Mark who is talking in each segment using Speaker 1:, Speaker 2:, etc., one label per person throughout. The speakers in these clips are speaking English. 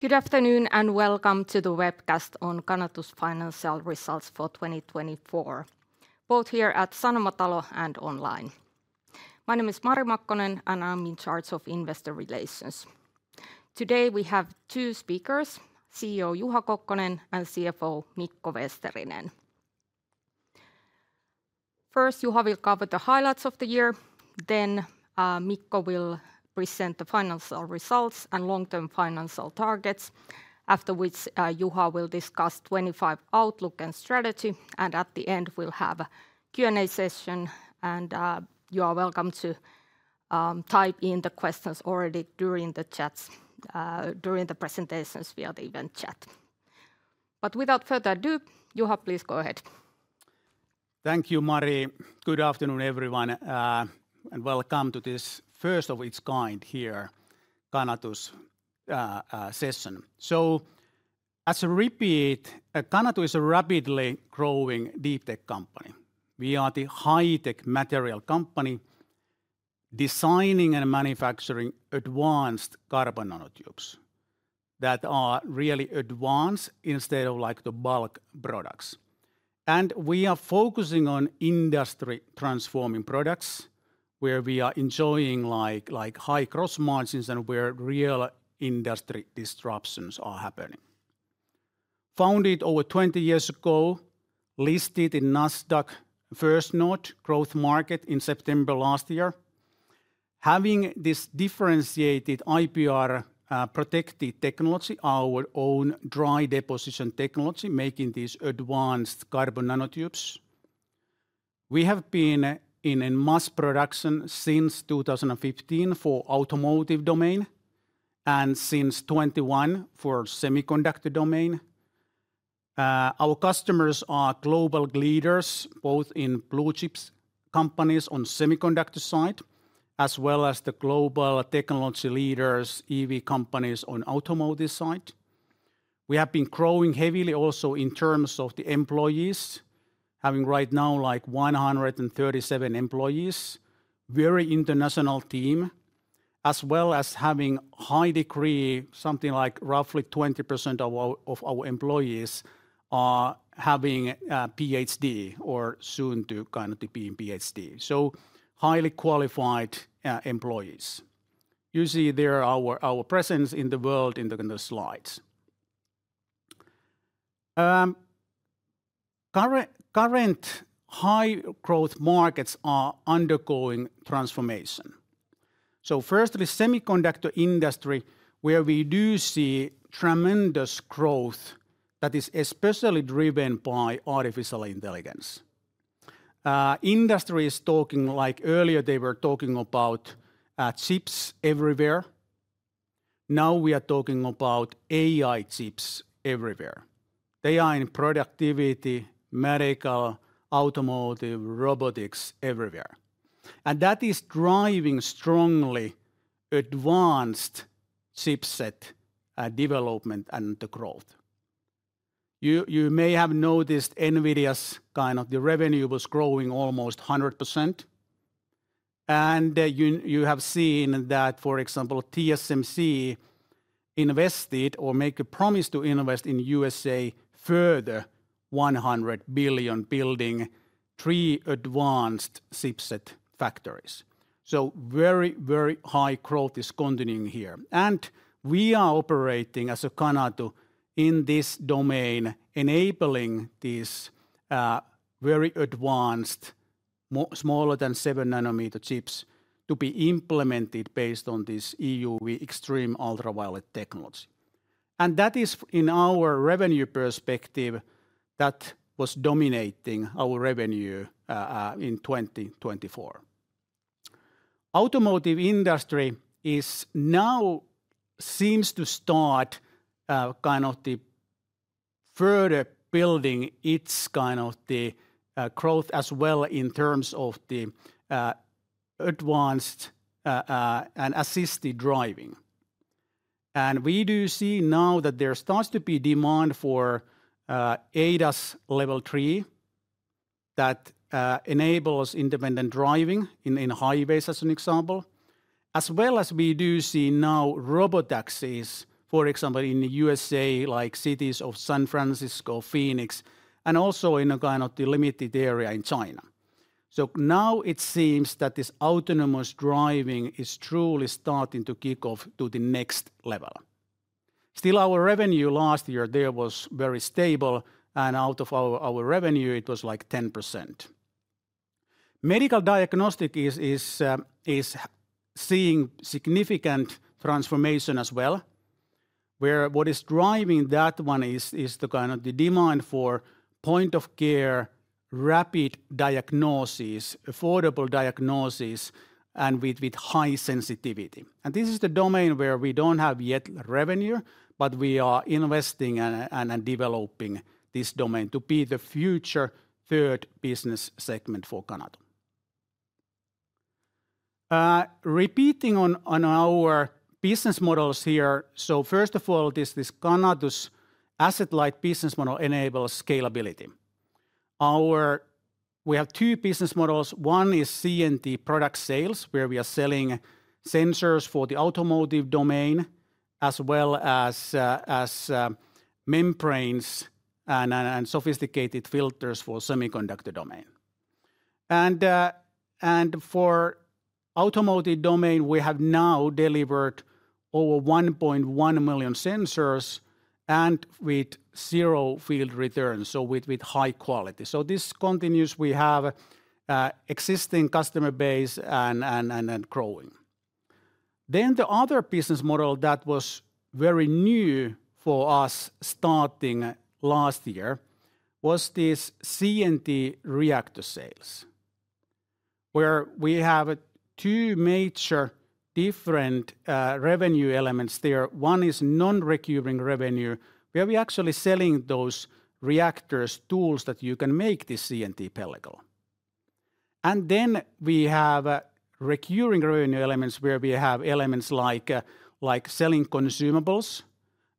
Speaker 1: Good afternoon and welcome to the webcast on Canatu's Financial Results for 2024, both here at Sanomatalo and online. My name is Mari Makkonen, and I'm in charge of investor relations. Today we have two speakers, CEO Juha Kokkonen and CFO Mikko Vesterinen. First, Juha will cover the highlights of the year. Mikko will present the financial results and long-term financial targets, after which Juha will discuss 2025 outlook and strategy. At the end, we'll have a Q&A session, and you are welcome to type in the questions already during the chats, during the presentations via the event chat. Without further ado, Juha, please go ahead.
Speaker 2: Thank you, Mari. Good afternoon, everyone, and welcome to this first-of-its-kind here Canatu's session. As a repeat, Canatu is a rapidly growing deep tech company. We are the high-tech material company designing and manufacturing advanced carbon nanotubes that are really advanced instead of like the bulk products. We are focusing on industry-transforming products where we are enjoying like high gross margins and where real industry disruptions are happening. Founded over 20 years ago, listed in Nasdaq First North Growth Market in September last year. Having this differentiated IPR protected technology, our own dry deposition technology, making these advanced carbon nanotubes. We have been in mass production since 2015 for the automotive domain and since 2021 for the semiconductor domain. Our customers are global leaders, both in blue chips companies on the semiconductor side, as well as the global technology leaders, EV companies on the automotive side. We have been growing heavily also in terms of the employees, having right now like 137 employees, a very international team, as well as having a high degree, something like roughly 20% of our employees having a PhD or soon to kind of be in PhD. So, highly qualified employees. You see there our presence in the world in the slides. Current high growth markets are undergoing transformation. First, the semiconductor industry, where we do see tremendous growth that is especially driven by artificial intelligence. Industry is talking like earlier they were talking about chips everywhere. Now we are talking about AI chips everywhere. They are in productivity, medical, automotive, robotics everywhere. That is driving strongly advanced chipset development and the growth. You may have noticed NVIDIA's kind of the revenue was growing almost 100%. You have seen that, for example, TSMC invested or made a promise to invest in the USA further $100 billion, building three advanced chipset factories. Very, very high growth is continuing here. We are operating as Canatu in this domain, enabling these very advanced smaller than seven nanometer chips to be implemented based on this EUV extreme ultraviolet technology. That is in our revenue perspective that was dominating our revenue in 2024. Automotive industry now seems to start kind of the further building its kind of the growth as well in terms of the advanced and assisted driving. We do see now that there starts to be demand for ADAS level three that enables independent driving in highways, as an example, as well as we do see now robotaxis, for example, in the USA, like cities of San Francisco, Phoenix, and also in a kind of the limited area in China. Now it seems that this autonomous driving is truly starting to kick off to the next level. Still, our revenue last year there was very stable, and out of our revenue, it was like 10%. Medical diagnostic is seeing significant transformation as well, where what is driving that one is the kind of the demand for point of care, rapid diagnosis, affordable diagnosis, and with high sensitivity. This is the domain where we do not have yet revenue, but we are investing and developing this domain to be the future third business segment for Canatu. Repeating on our business models here, first of all, this Canatu's asset-like business model enables scalability. We have two business models. One is CNT product sales, where we are selling sensors for the automotive domain, as well as membranes and sophisticated filters for the semiconductor domain. For the automotive domain, we have now delivered over 1.1 million sensors with zero field return, so with high quality. This continues, we have an existing customer base and growing. The other business model that was very new for us starting last year was this CNT reactor sales, where we have two major different revenue elements there. One is non-recurring revenue, where we are actually selling those reactors, tools that you can make this CNT pellicle. We have recurring revenue elements, where we have elements like selling consumables,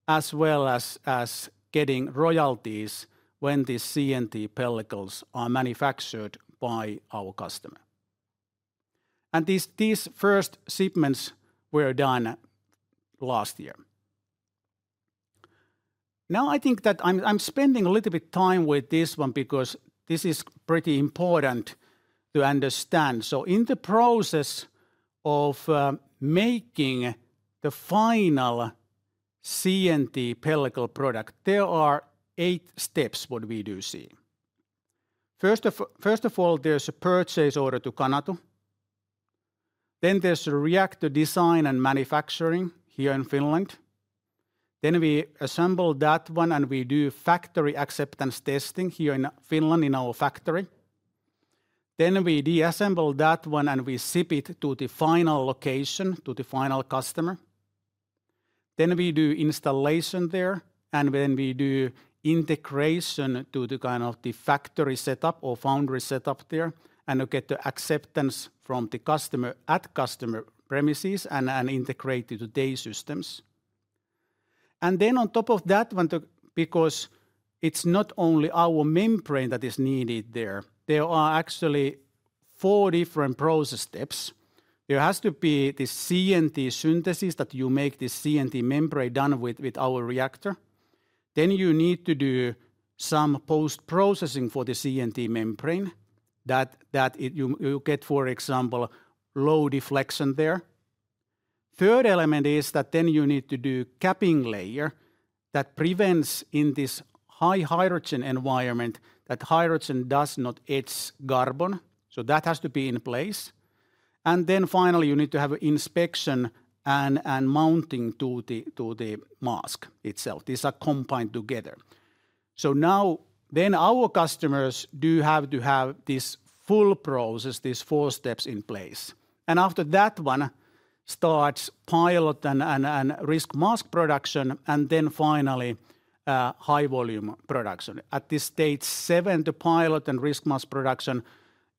Speaker 2: as well as getting royalties when these CNT pellicles are manufactured by our customer. These first shipments were done last year. I think that I'm spending a little bit of time with this one because this is pretty important to understand. In the process of making the final CNT pellicle product, there are eight steps we do see. First of all, there's a purchase order to Canatu. There is a reactor design and manufacturing here in Finland. We assemble that one and we do factory acceptance testing here in Finland in our factory. We disassemble that one and we ship it to the final location, to the final customer. We do installation there, and we do integration to the kind of the factory setup or foundry setup there, and we get the acceptance from the customer at customer premises and integrate to today's systems. On top of that, because it's not only our membrane that is needed there, there are actually four different process steps. There has to be this CNT synthesis that you make this CNT membrane done with our reactor. You need to do some post-processing for the CNT membrane that you get, for example, low deflection there. Third element is that you need to do a capping layer that prevents in this high hydrogen environment that hydrogen does not etch carbon. That has to be in place. Finally, you need to have an inspection and mounting to the mask itself. These are combined together. Now then our customers do have to have this full process, these four steps in place. After that one starts pilot and risk mask production, and then finally high volume production. At this stage seven, the pilot and risk mask production,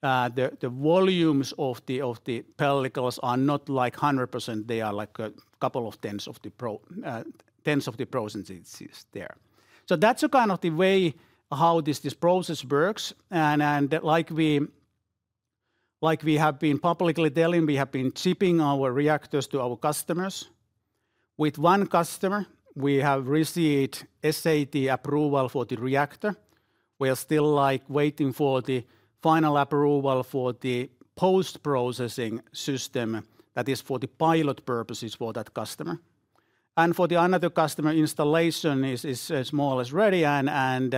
Speaker 2: the volumes of the pellicles are not like 100%. They are like a couple of tenths of the processes there. That is kind of the way how this process works. Like we have been publicly telling, we have been shipping our reactors to our customers. With one customer, we have received SAT approval for the reactor. We are still waiting for the final approval for the post-processing system that is for the pilot purposes for that customer. For another customer, installation is more or less ready, and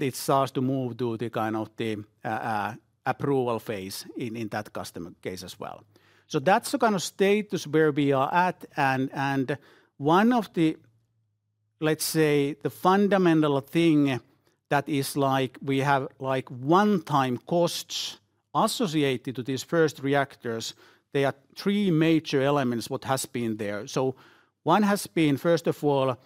Speaker 2: it starts to move to the kind of the approval phase in that customer case as well. That's the kind of status where we are at. One of the, let's say, the fundamental thing that is like we have one-time costs associated to these first reactors, there are three major elements what has been there. One has been, first of all,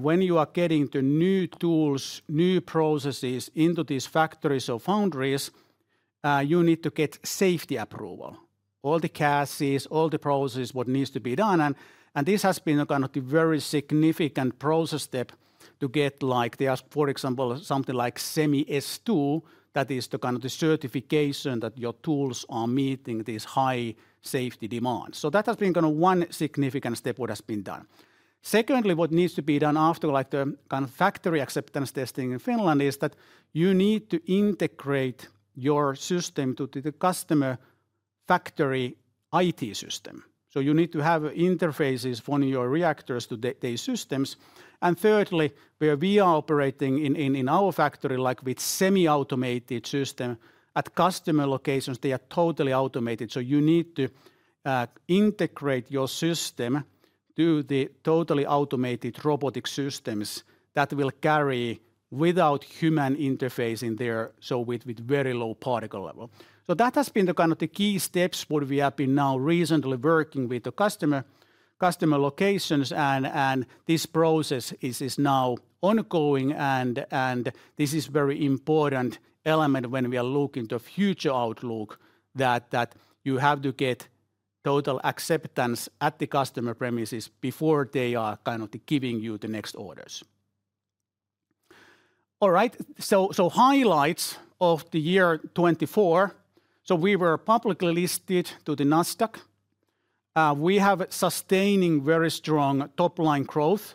Speaker 2: when you are getting to new tools, new processes into these factories or foundries, you need to get safety approval. All the cases, all the processes what needs to be done. This has been kind of the very significant process step to get like, for example, something like SEMI S2, that is the kind of the certification that your tools are meeting these high safety demands. That has been kind of one significant step what has been done. Secondly, what needs to be done after the kind of factory acceptance testing in Finland is that you need to integrate your system to the customer factory IT system. You need to have interfaces from your reactors to their systems. Thirdly, where we are operating in our factory, like with semi-automated system, at customer locations they are totally automated. You need to integrate your system to the totally automated robotic systems that will carry without human interface in there, with very low particle level. That has been the kind of the key steps what we have been now recently working with the customer locations, and this process is now ongoing, and this is a very important element when we are looking to future outlook that you have to get total acceptance at the customer premises before they are kind of giving you the next orders. All right, highlights of the year 2024. We were publicly listed to the Nasdaq. We have sustaining very strong top-line growth,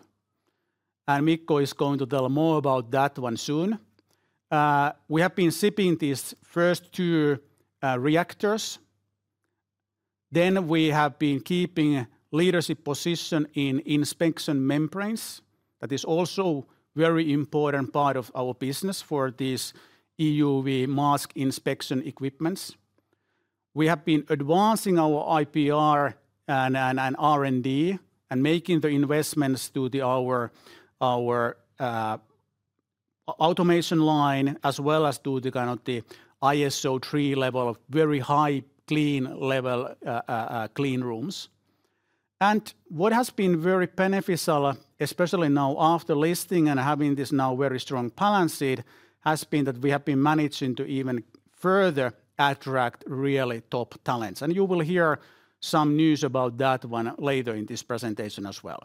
Speaker 2: and Mikko is going to tell more about that one soon. We have been shipping these first two reactors. We have been keeping leadership position in inspection membranes. That is also a very important part of our business for these EUV mask inspection equipment's. We have been advancing our IPR and R&D and making the investments to our automation line, as well as to the kind of the ISO 3 level of very high clean level clean rooms. What has been very beneficial, especially now after listing and having this now very strong balance sheet, has been that we have been managing to even further attract really top talents. You will hear some news about that one later in this presentation as well.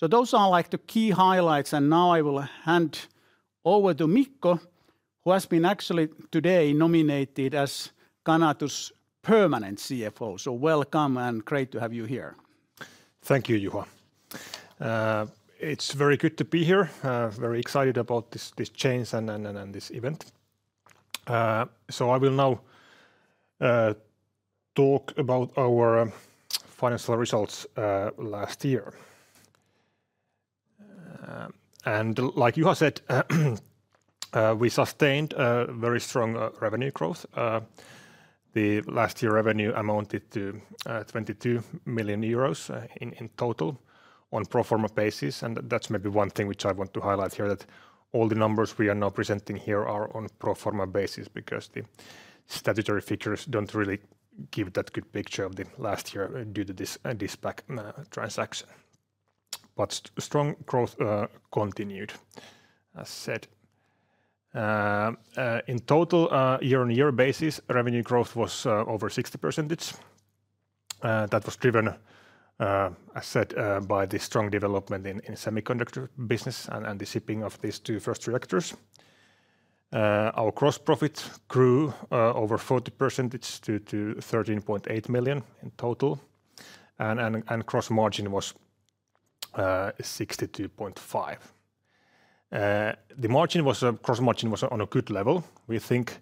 Speaker 2: Those are like the key highlights, and now I will hand over to Mikko, who has been actually today nominated as Canatu's permanent CFO. Welcome and great to have you here.
Speaker 3: Thank you, Juha. It's very good to be here. Very excited about this change and this event. I will now talk about our financial results last year. Like Juha said, we sustained very strong revenue growth. The last year revenue amounted to 22 million euros in total on pro-forma basis. That's maybe one thing which I want to highlight here, that all the numbers we are now presenting here are on pro-forma basis because the statutory figures don't really give that good picture of the last year due to this back transaction. Strong growth continued, as said. In total, year-on-year basis, revenue growth was over 60%. That was driven, as said, by the strong development in semiconductor business and the shipping of these two first reactors. Our gross profit grew over 40% to 13.8 million in total. And gross margin was 62.5%. The margin was a gross margin was on a good level, we think,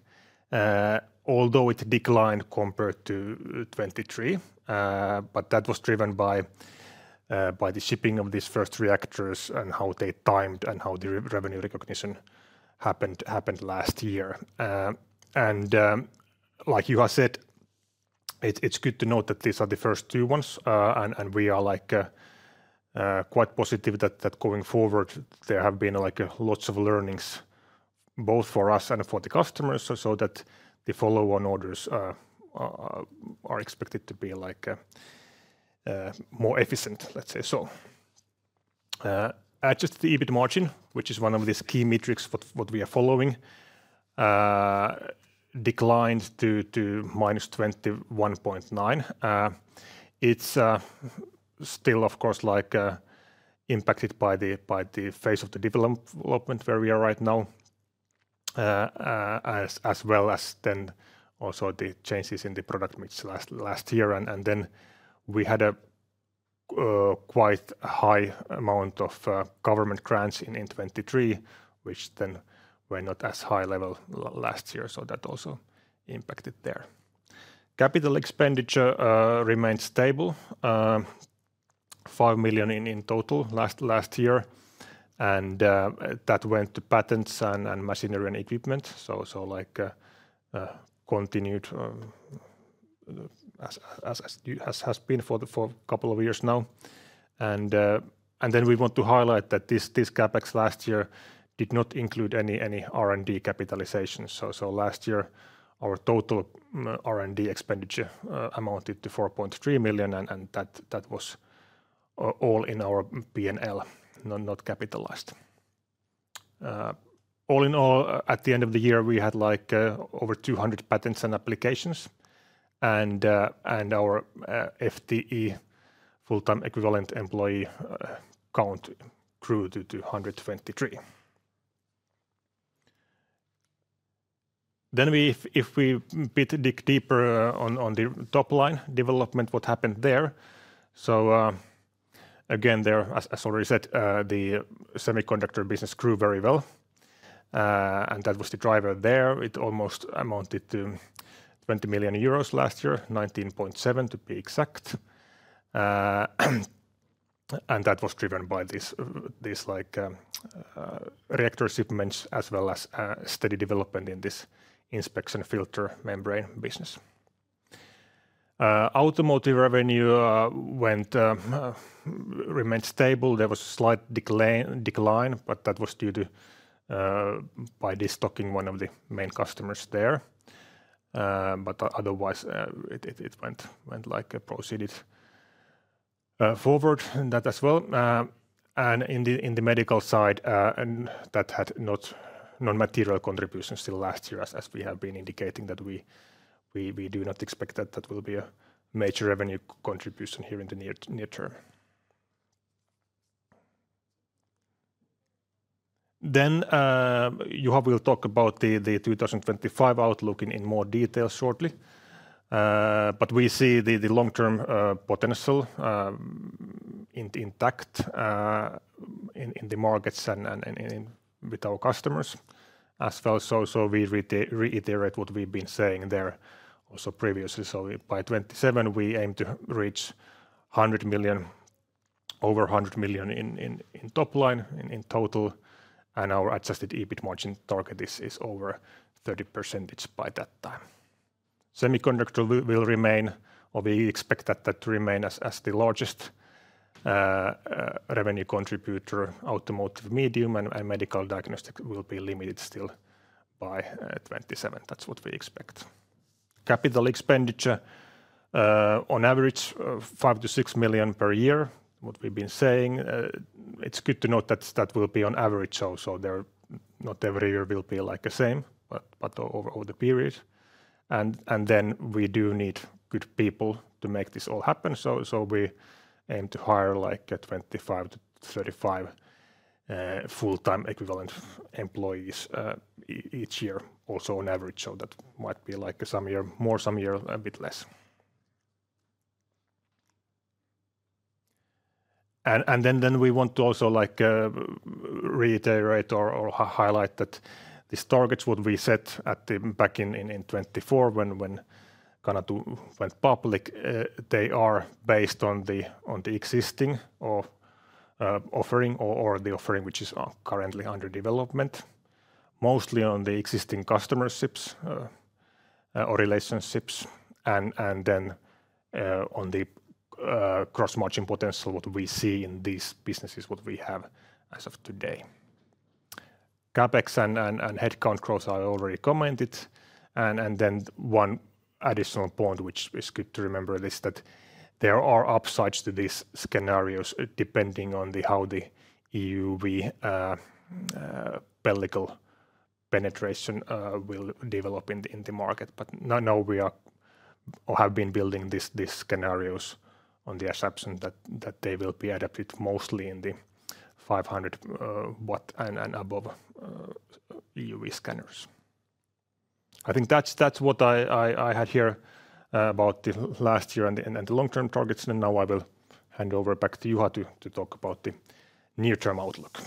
Speaker 3: although it declined compared to 2023. That was driven by the shipping of these first reactors and how they timed and how the revenue recognition happened last year. Like Juha said, it's good to note that these are the first two ones, and we are quite positive that going forward, there have been lots of learnings both for us and for the customers, so that the follow-on orders are expected to be more efficient, let's say so. Adjusted EBIT margin, which is one of these key metrics what we are following, declined to -21.9%. It's still, of course, impacted by the phase of the development where we are right now, as well as then also the changes in the product mix last year. We had a quite high amount of government grants in 2023, which then were not as high level last year, so that also impacted there. Capital expenditure remained stable, 5 million in total last year, and that went to patents and machinery and equipment, like continued as has been for a couple of years now. We want to highlight that this CapEx last year did not include any R&D capitalization. Last year, our total R&D expenditure amounted to 4.3 million, and that was all in our P&L, not capitalized. All in all, at the end of the year, we had like over 200 patents and applications, and our FTE, full-time equivalent employee count grew to 123. If we dig deeper on the top-line development, what happened there? Again, there, as already said, the semiconductor business grew very well, and that was the driver there. It almost amounted to 20 million euros last year, 19.7 million to be exact. That was driven by these reactor shipments as well as steady development in this inspection filter membrane business. Automotive revenue remained stable. There was a slight decline, but that was due to destocking by one of the main customers there. Otherwise, it proceeded forward in that as well. In the medical side, that had not non-material contributions till last year, as we have been indicating that we do not expect that that will be a major revenue contribution here in the near term. Juha will talk about the 2025 outlook in more detail shortly. We see the long-term potential intact in the markets and with our customers as well. We reiterate what we've been saying there also previously. By 2027, we aim to reach 100 million, over 100 million in top-line in total. Our adjusted EBIT margin target is over 30% by that time. Semiconductor will remain, or we expect that to remain as the largest revenue contributor, automotive medium, and medical diagnostic will be limited still by 2027. That's what we expect. Capital expenditure, on average, 5-6 million per year, what we've been saying. It's good to note that that will be on average also. Not every year will be like the same, but over the period. We do need good people to make this all happen. We aim to hire like 25-35 full-time equivalent employees each year, also on average. That might be like some year more, some year a bit less. We want to also reiterate or highlight that these targets what we set back in 2024 when Canatu went public, they are based on the existing offering or the offering which is currently under development, mostly on the existing customer ships or relationships, and then on the cross-marching potential what we see in these businesses what we have as of today. CapEx and headcount growth I already commented. One additional point which is good to remember is that there are upsides to these scenarios depending on how the EUV pellicle penetration will develop in the market. We have been building these scenarios on the assumption that they will be adapted mostly in the 500 watt and above EUV scanners. I think that's what I had here about the last year and the long-term targets. I will hand over back to Juha to talk about the near-term outlook.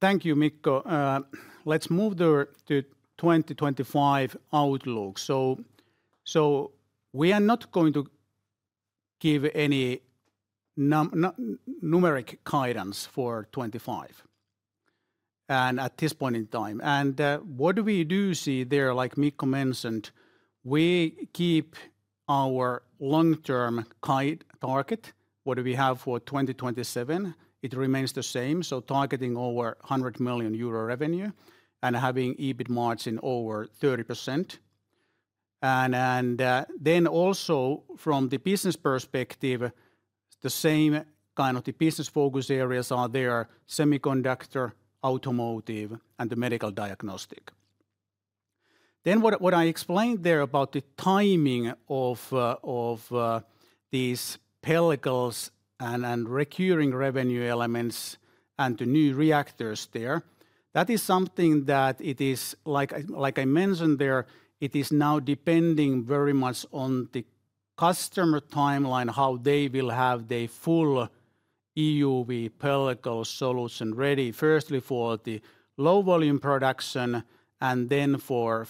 Speaker 2: Thank you, Mikko. Let's move to 2025 outlook. We are not going to give any numeric guidance for 2025 at this point in time. What we do see there, like Mikko mentioned, we keep our long-term target. What do we have for 2027? It remains the same. Targeting over 100 million euro revenue and having EBIT margin over 30%. From the business perspective, the same kind of business focus areas are there: semiconductor, automotive, and the medical diagnostic. What I explained there about the timing of these pellicles and recurring revenue elements and the new reactors, that is something that, like I mentioned, it is now depending very much on the customer timeline, how they will have their full EUV pellicle solution ready, firstly for the low-volume production and then for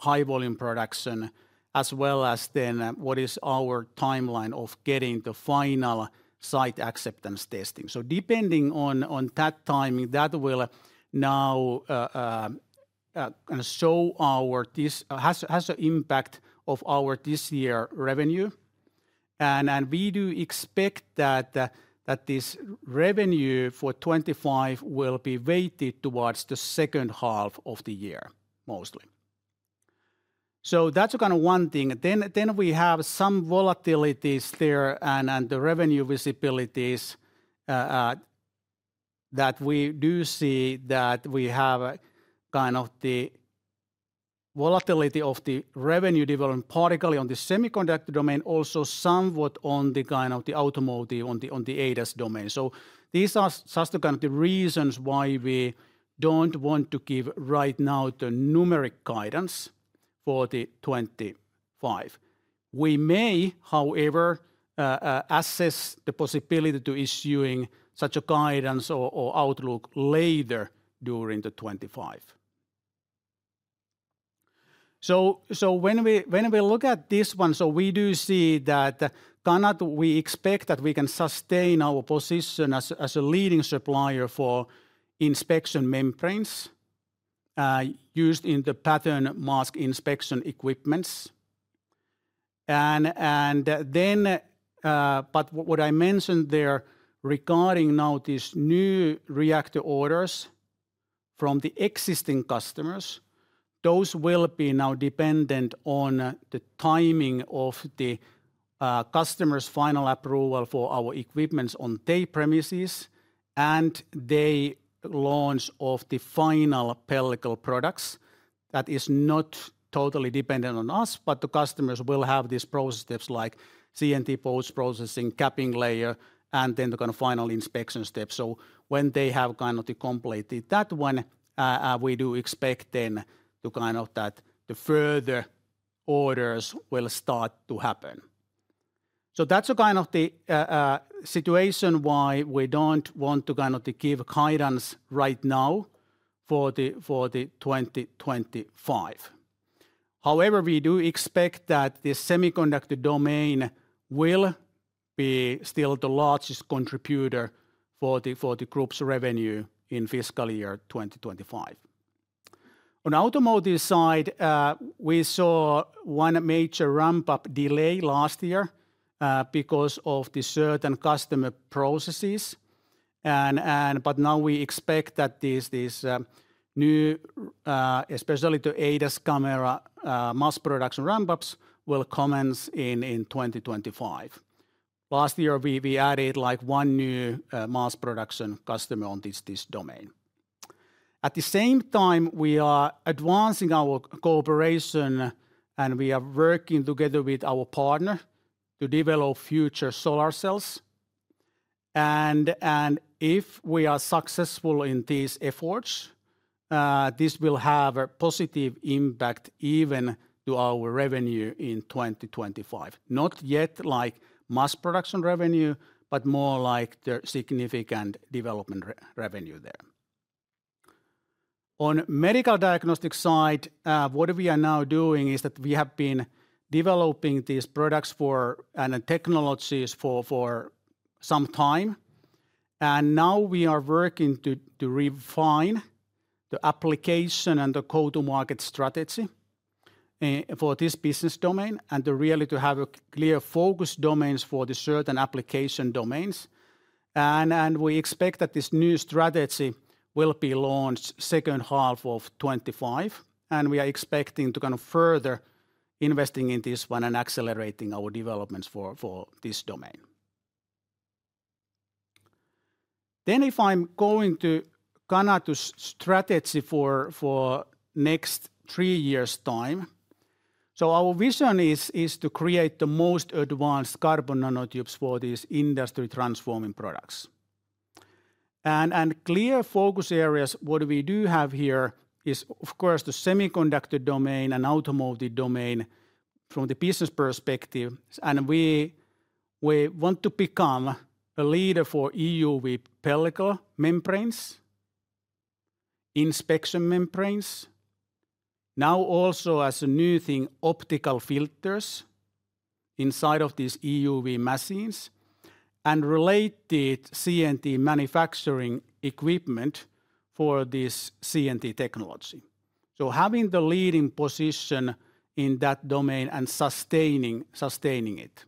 Speaker 2: high-volume production, as well as what is our timeline of getting the final site acceptance testing. Depending on that timing, that will now have an impact on our this year revenue. We do expect that this revenue for 2025 will be weighted towards the second half of the year mostly. That's kind of one thing. We have some volatilities there and the revenue visibilities that we do see that we have kind of the volatility of the revenue development, particularly on the semiconductor domain, also somewhat on the kind of the automotive, on the ADAS domain. These are just the kind of the reasons why we do not want to give right now the numeric guidance for 2025. We may, however, assess the possibility to issue such a guidance or outlook later during 2025. When we look at this one, we do see that kind of we expect that we can sustain our position as a leading supplier for inspection membranes used in the pattern mask inspection equipment's. What I mentioned there regarding these new reactor orders from the existing customers, those will be dependent on the timing of the customer's final approval for our equipment on their premises and their launch of the final pellicle products. That is not totally dependent on us, but the customers will have these process steps like CNT post processing, capping layer, and then the kind of final inspection steps. When they have completed that one, we do expect that the further orders will start to happen. That is the situation why we do not want to give guidance right now for 2025. However, we do expect that the semiconductor domain will be still the largest contributor for the group's revenue in fiscal year 2025. On automotive side, we saw one major ramp-up delay last year because of the certain customer processes. Now we expect that these new, especially the ADAS camera mass production ramp-ups will commence in 2025. Last year, we added like one new mass production customer on this domain. At the same time, we are advancing our cooperation and we are working together with our partner to develop future solar cells. If we are successful in these efforts, this will have a positive impact even to our revenue in 2025. Not yet like mass production revenue, but more like the significant development revenue there. On medical diagnostic side, what we are now doing is that we have been developing these products and technologies for some time. We are working to refine the application and the go-to-market strategy for this business domain and to really have a clear focus domains for the certain application domains. We expect that this new strategy will be launched in the second half of 2025. We are expecting to kind of further invest in this one and accelerating our developments for this domain. If I'm going to kind of strategy for next three years' time, our vision is to create the most advanced carbon nanotubes for these industry transforming products. Clear focus areas, what we do have here is, of course, the semiconductor domain and automotive domain from the business perspective. We want to become a leader for EUV pellicle membranes, inspection membranes, now also as a new thing, optical filters inside of these EUV machines, and related CNT manufacturing equipment for this CNT technology. Having the leading position in that domain and sustaining it.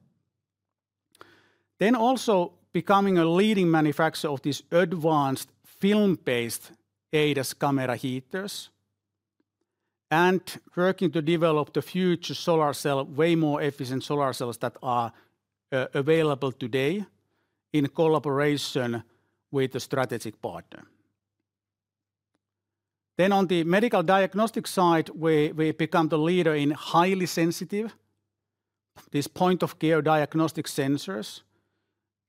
Speaker 2: Also becoming a leading manufacturer of these advanced film-based ADAS camera heaters and working to develop the future solar cell, way more efficient solar cells that are available today in collaboration with a strategic partner. On the medical diagnostic side, we become the leader in highly sensitive, this point-of-care diagnostic sensors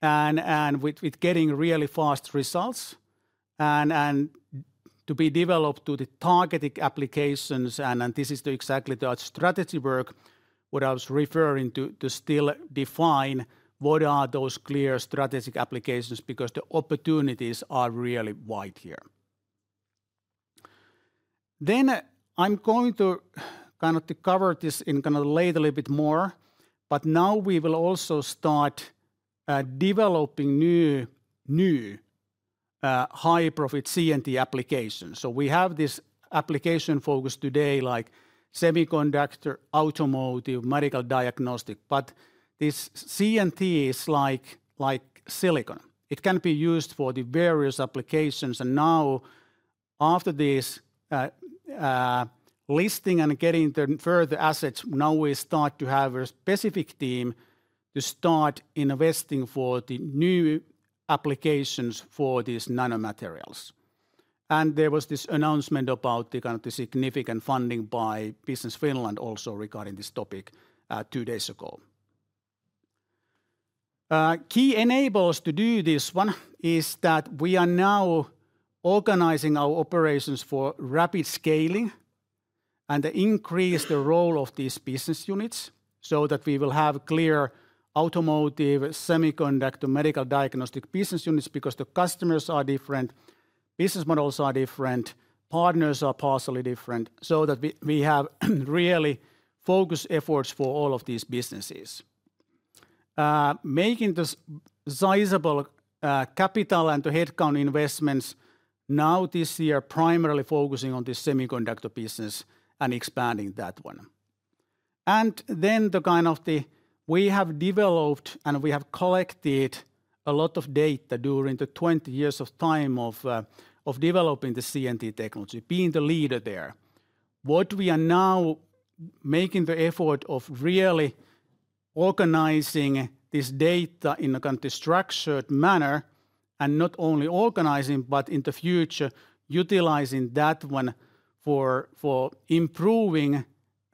Speaker 2: and with getting really fast results and to be developed to the targeted applications. This is exactly the strategy work what I was referring to still define what are those clear strategic applications because the opportunities are really wide here. I'm going to kind of cover this in kind of later a little bit more. Now we will also start developing new high-profit CNT applications. We have this application focus today like semiconductor, automotive, medical diagnostic. This CNT is like silicon. It can be used for the various applications. Now after this listing and getting the further assets, now we start to have a specific team to start investing for the new applications for these nanomaterials. There was this announcement about the kind of significant funding by Business Finland also regarding this topic two days ago. Key enablers to do this one is that we are now organizing our operations for rapid scaling and increase the role of these business units so that we will have clear automotive, semiconductor, medical diagnostic business units because the customers are different, business models are different, partners are partially different so that we have really focused efforts for all of these businesses. Making the sizable capital and the headcount investments now this year primarily focusing on the semiconductor business and expanding that one. The kind of the we have developed and we have collected a lot of data during the 20 years of time of developing the CNT technology, being the leader there. What we are now making the effort of really organizing this data in a kind of structured manner and not only organizing, but in the future utilizing that one for improving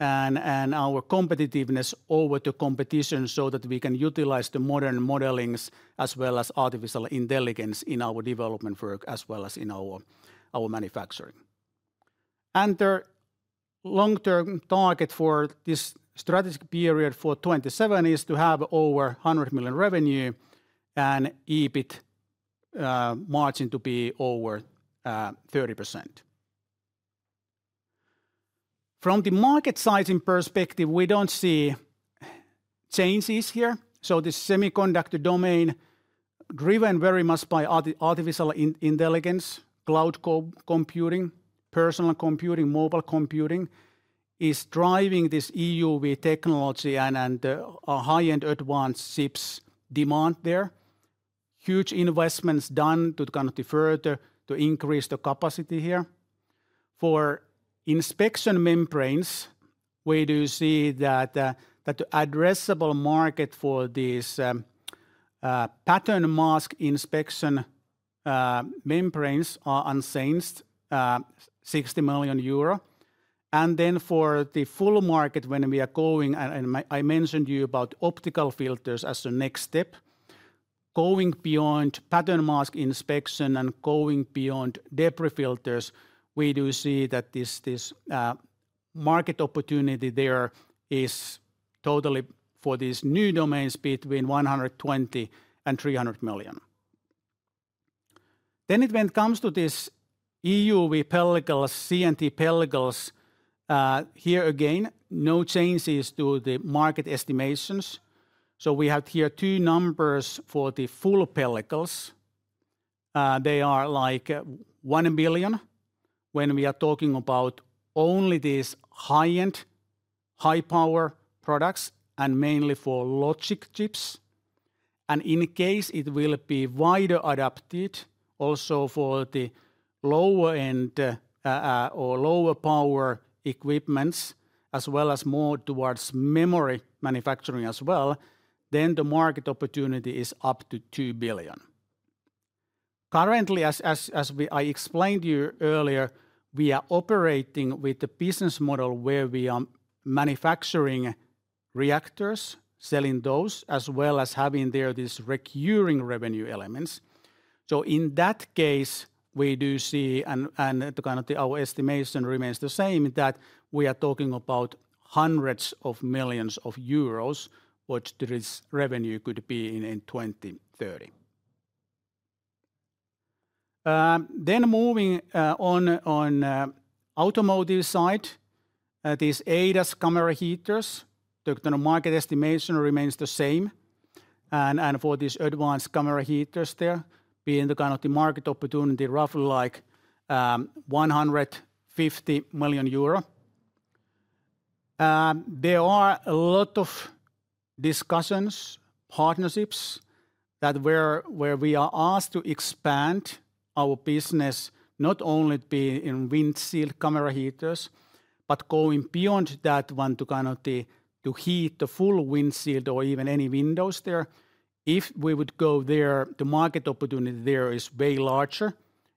Speaker 2: our competitiveness over the competition so that we can utilize the modern modelings as well as artificial intelligence in our development work as well as in our manufacturing. The long-term target for this strategic period for 2027 is to have over 100 million revenue and EBIT margin to be over 30%. From the market sizing perspective, we do not see changes here. The semiconductor domain driven very much by artificial intelligence, cloud computing, personal computing, mobile computing is driving this EUV technology and the high-end advanced chips demand there. Huge investments done to kind of further increase the capacity here. For inspection membranes, we do see that the addressable market for these pattern mask inspection membranes are unchanged, 60 million euro. For the full market, when we are going, and I mentioned to you about optical filters as a next step, going beyond pattern mask inspection and going beyond debris filters, we do see that this market opportunity there is totally for these new domains between 120 million-300 million. When it comes to these EUV pellicles, CNT pellicles, here again, no changes to the market estimations. We have here two numbers for the full pellicles. They are like 1 billion when we are talking about only these high-end, high-power products and mainly for logic chips. In case it will be wider adapted also for the lower-end or lower-power equipment's, as well as more towards memory manufacturing as well, the market opportunity is up to 2 billion. Currently, as I explained to you earlier, we are operating with the business model where we are manufacturing reactors, selling those, as well as having there these recurring revenue elements. In that case, we do see, and kind of our estimation remains the same, that we are talking about hundreds of millions of euros, which this revenue could be in 2030. Moving on automotive side, these ADAS camera heaters, the kind of market estimation remains the same. For these advanced camera heaters there, being the kind of the market opportunity roughly like 150 million euro. There are a lot of discussions, partnerships where we are asked to expand our business, not only being in windshield camera heaters, but going beyond that one to kind of heat the full windshield or even any windows there. If we would go there, the market opportunity there is way larger.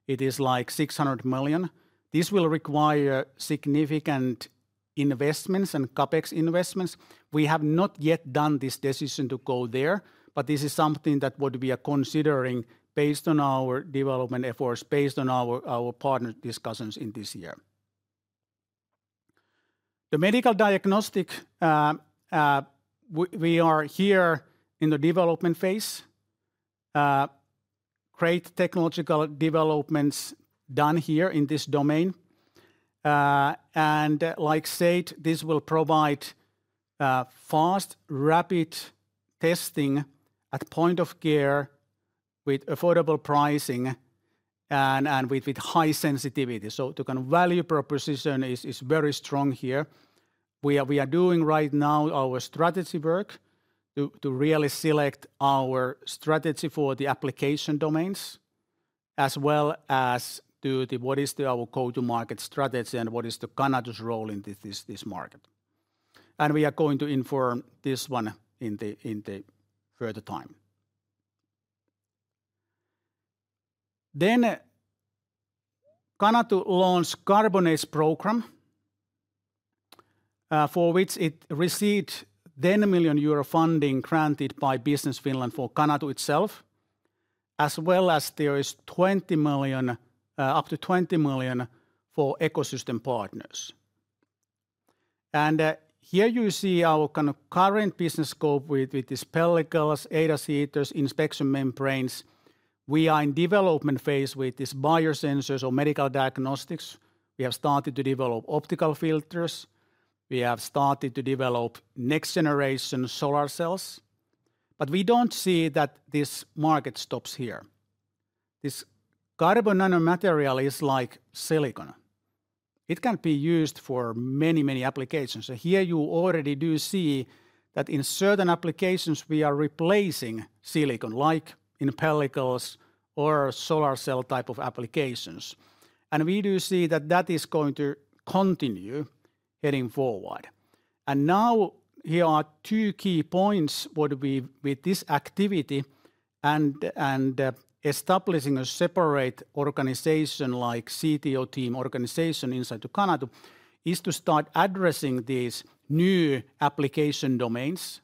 Speaker 2: It is like 600 million. This will require significant investments and CapEx investments. We have not yet done this decision to go there, but this is something that we are considering based on our development efforts, based on our partner discussions in this year. The medical diagnostic, we are here in the development phase. Great technological developments done here in this domain. Like said, this will provide fast, rapid testing at point of care with affordable pricing and with high sensitivity. The kind of value proposition is very strong here. We are doing right now our strategy work to really select our strategy for the application domains, as well as to what is our go-to-market strategy and what is Canatu's role in this market. We are going to inform this one in the further time. Canatu launched carbon-based program for which it received 10 million euro funding granted by Business Finland for Canatu itself, as well as there is up to 20 million for ecosystem partners. Here you see our kind of current business scope with these pellicles, ADAS heaters, inspection membranes. We are in development phase with these biosensors or medical diagnostics. We have started to develop optical filters. We have started to develop next generation solar cells. We do not see that this market stops here. This carbon nanomaterial is like silicon. It can be used for many, many applications. Here you already do see that in certain applications we are replacing silicon, like in pellicles or solar cell type of applications. We do see that that is going to continue heading forward. Here are two key points with this activity and establishing a separate organization like CTO team organization inside to Canatu to start addressing these new application domains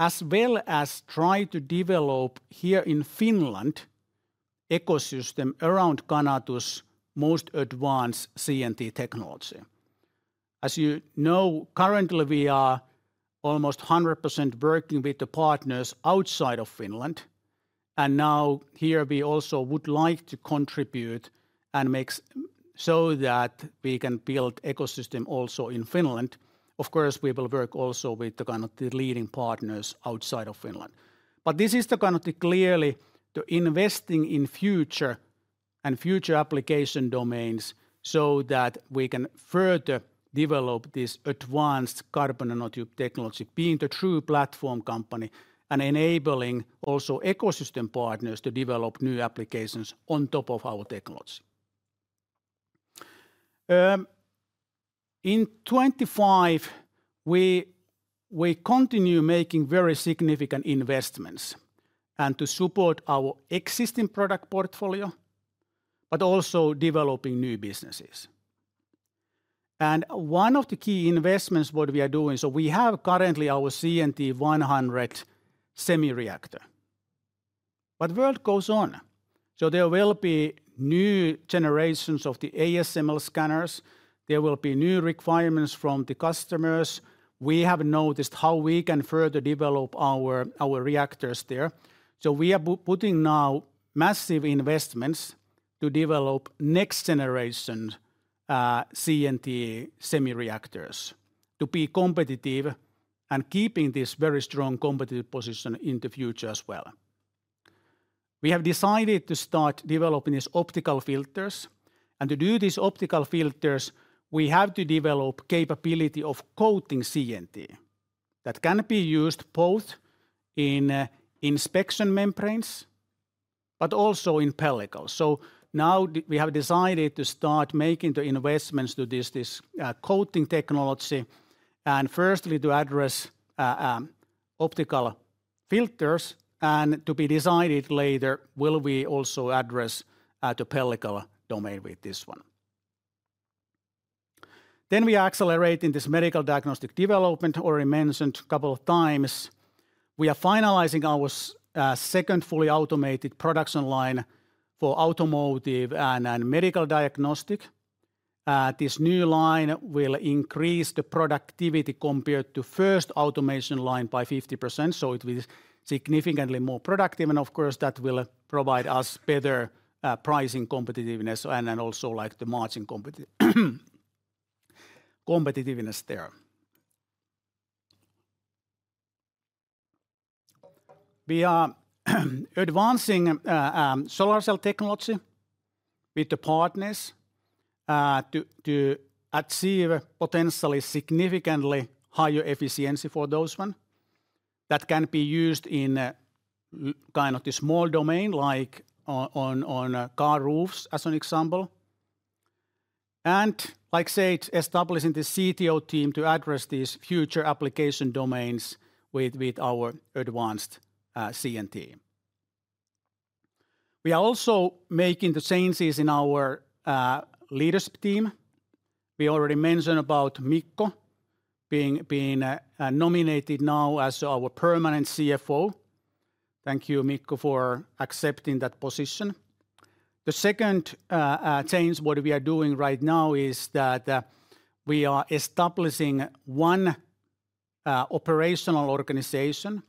Speaker 2: as well as try to develop here in Finland ecosystem around Canatu's most advanced CNT technology. As you know, currently we are almost 100% working with the partners outside of Finland. Here we also would like to contribute and make so that we can build ecosystem also in Finland. Of course, we will work also with the kind of the leading partners outside of Finland. This is clearly the investing in future and future application domains so that we can further develop this advanced carbon nanotube technology, being the true platform company and enabling also ecosystem partners to develop new applications on top of our technology. In 2025, we continue making very significant investments to support our existing product portfolio, but also developing new businesses. One of the key investments we are doing, we have currently our CNT 100 SEMI reactor. The world goes on. There will be new generations of the ASML scanners. There will be new requirements from the customers. We have noticed how we can further develop our reactors there. We are putting now massive investments to develop next-generation CNT SEMI reactors to be competitive and keeping this very strong competitive position in the future as well. We have decided to start developing these optical filters. To do these optical filters, we have to develop capability of coating CNT that can be used both in inspection membranes, but also in pellicles. Now we have decided to start making the investments to this coating technology and firstly to address optical filters, and to be decided later will we also address the pellicle domain with this one. We are accelerating this medical diagnostic development already mentioned a couple of times. We are finalizing our second fully automated production line for automotive and medical diagnostic. This new line will increase the productivity compared to first automation line by 50%. It will be significantly more productive. Of course, that will provide us better pricing competitiveness and also like the marching competitiveness there. We are advancing solar cell technology with the partners to achieve potentially significantly higher efficiency for those one. That can be used in kind of the small domain like on car roofs as an example. Like said, establishing the CTO team to address these future application domains with our advanced CNT We are also making the changes in our leadership team. We already mentioned about Mikko being nominated now as our permanent CFO. Thank you, Mikko, for accepting that position. The second change what we are doing right now is that we are establishing one operational organization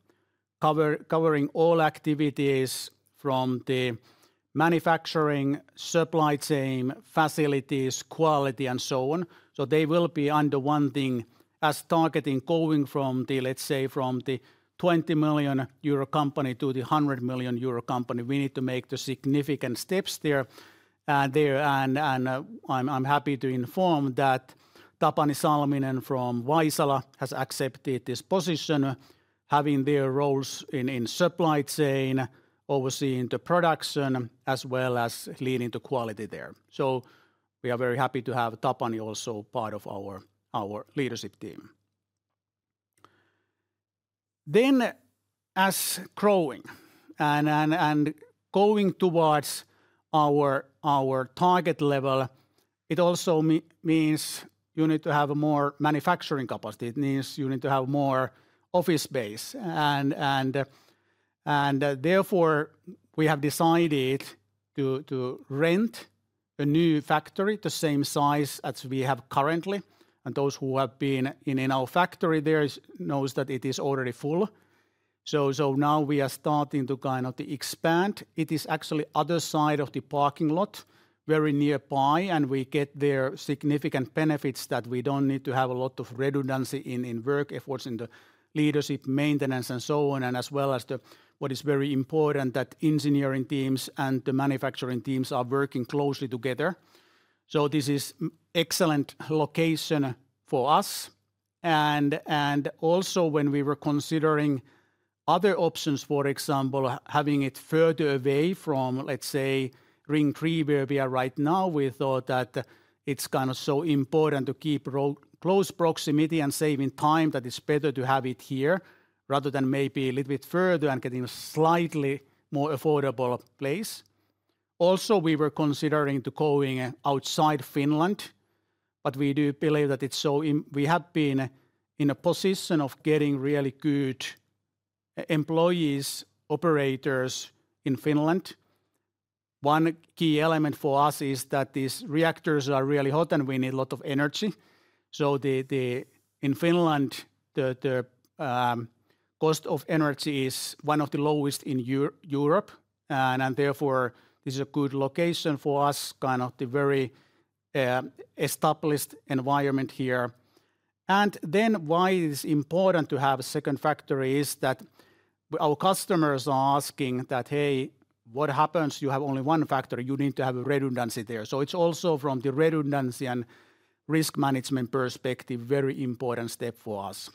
Speaker 2: covering all activities from the manufacturing, supply chain, facilities, quality, and so on. They will be under one thing as targeting going from the, let's say, from the 20 million euro company to the 100 million euro company. We need to make the significant steps there. I'm happy to inform that Tapani Salminen from Vaisala has accepted this position, having their roles in supply chain, overseeing the production, as well as leading to quality there. We are very happy to have Tapani also part of our leadership team. As growing and going towards our target level, it also means you need to have more manufacturing capacity. It means you need to have more office space. Therefore, we have decided to rent a new factory, the same size as we have currently. Those who have been in our factory there know that it is already full. Now we are starting to kind of expand. It is actually other side of the parking lot very nearby. We get there significant benefits that we do not need to have a lot of redundancy in work efforts in the leadership, maintenance, and so on. As well as what is very important that engineering teams and the manufacturing teams are working closely together. This is excellent location for us. Also, when we were considering other options, for example, having it further away from, let's say, Ring three, where we are right now, we thought that it's kind of so important to keep close proximity and saving time that it's better to have it here rather than maybe a little bit further and getting a slightly more affordable place. Also, we were considering going outside Finland, but we do believe that it's so we have been in a position of getting really good employees, operators in Finland. One key element for us is that these reactors are really hot and we need a lot of energy. In Finland, the cost of energy is one of the lowest in Europe. Therefore, this is a good location for us, kind of the very established environment here. Why it is important to have a second factory is that our customers are asking that, hey, what happens? You have only one factory. You need to have a redundancy there. It is also from the redundancy and risk management perspective, very important step for us.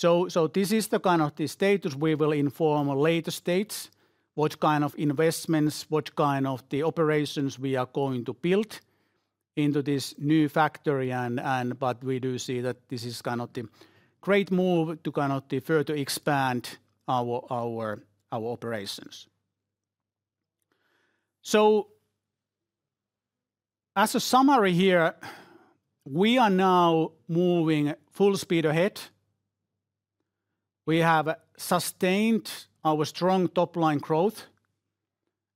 Speaker 2: This is the kind of the status we will inform later states, what kind of investments, what kind of the operations we are going to build into this new factory. We do see that this is kind of the great move to kind of further expand our operations. As a summary here, we are now moving full speed ahead. We have sustained our strong top line growth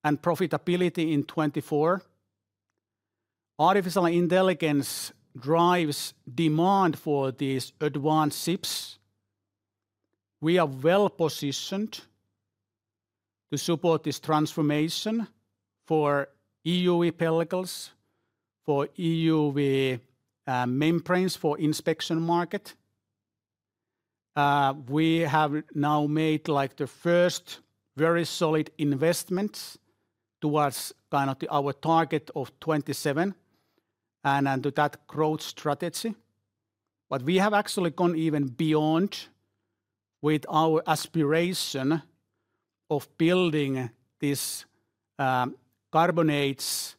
Speaker 2: and profitability in 2024. Artificial intelligence drives demand for these advanced chips. We are well positioned to support this transformation for EUV pellicles, for EUV membranes for inspection market. We have now made like the first very solid investments towards kind of our target of 2027 and to that growth strategy. We have actually gone even beyond with our aspiration of building these carbonates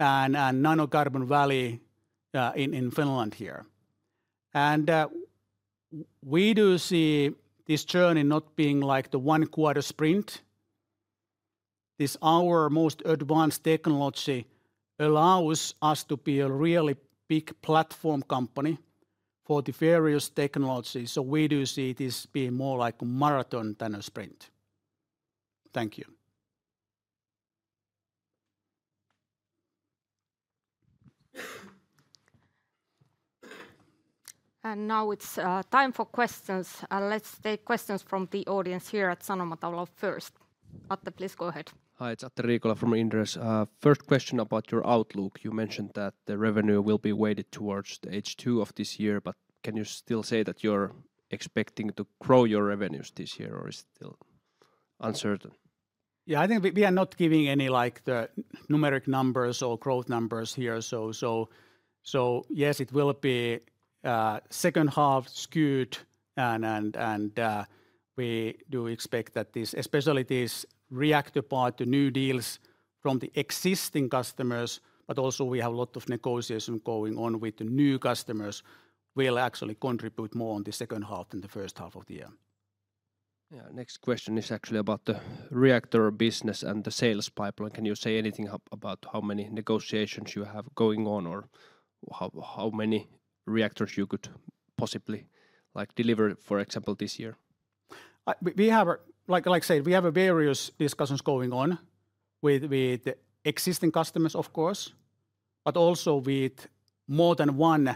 Speaker 2: and nanocarbon valley in Finland here. We do see this journey not being like the one quarter sprint. This our most advanced technology allows us to be a really big platform company for the various technologies. We do see this being more like a marathon than a sprint. Thank you.
Speaker 1: Now it is time for questions. Let's take questions from the audience here at Sanomatalo first. Atte, please go ahead.
Speaker 4: Hi, Atte Riikola from Inderes. First question about your outlook. You mentioned that the revenue will be weighted towards the H2 of this year, but can you still say that you're expecting to grow your revenues this year or is it still uncertain?
Speaker 2: Yeah, I think we are not giving any like the numeric numbers or growth numbers here. Yes, it will be second half skewed. We do expect that this, especially these reactor part, the new deals from the existing customers, but also we have a lot of negotiation going on with the new customers, will actually contribute more on the second half than the first half of the year.
Speaker 4: Yeah, next question is actually about the reactor business and the sales pipeline. Can you say anything about how many negotiations you have going on or how many reactors you could possibly deliver, for example, this year?
Speaker 2: We have, like I said, we have various discussions going on with existing customers, of course, but also with more than one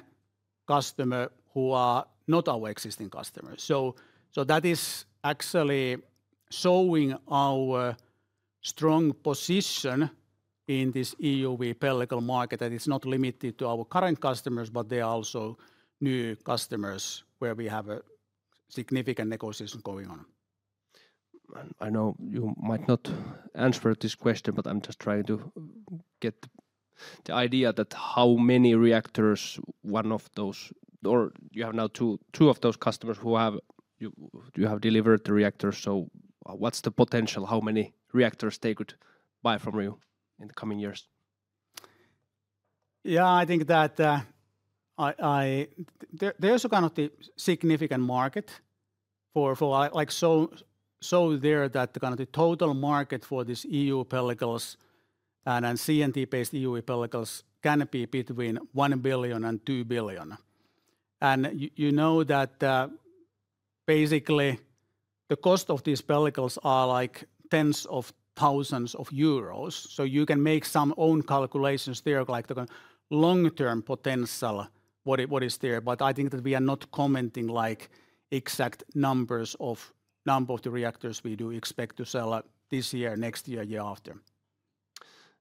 Speaker 2: customer who are not our existing customers. That is actually showing our strong position in this EUV pellicle market that it's not limited to our current customers, but there are also new customers where we have a significant negotiation going on.
Speaker 4: I know you might not answer this question, but I'm just trying to get the idea that how many reactors, one of those, or you have now two of those customers who have delivered the reactors. What's the potential? How many reactors they could buy from you in the coming years?
Speaker 2: Yeah, I think that there's a kind of significant market for like so there that the kind of the total market for these EUV pellicles and CNT-based EUV pellicles can be between 1 billion and 2 billion. You know that basically the cost of these pellicles are like tens of thousands of euros. You can make some own calculations there like the long-term potential, what is there. I think that we are not commenting like exact numbers of number of the reactors we do expect to sell this year, next year, year after.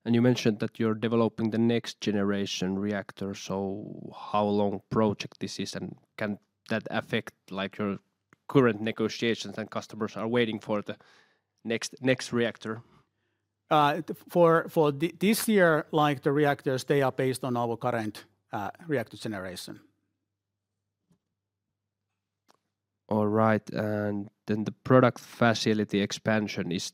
Speaker 4: You mentioned that you're developing the next generation reactor. How long project this is and can that affect like your current negotiations and customers are waiting for the next reactor?
Speaker 2: For this year, like the reactors, they are based on our current reactor generation.
Speaker 4: All right. The product facility expansion, is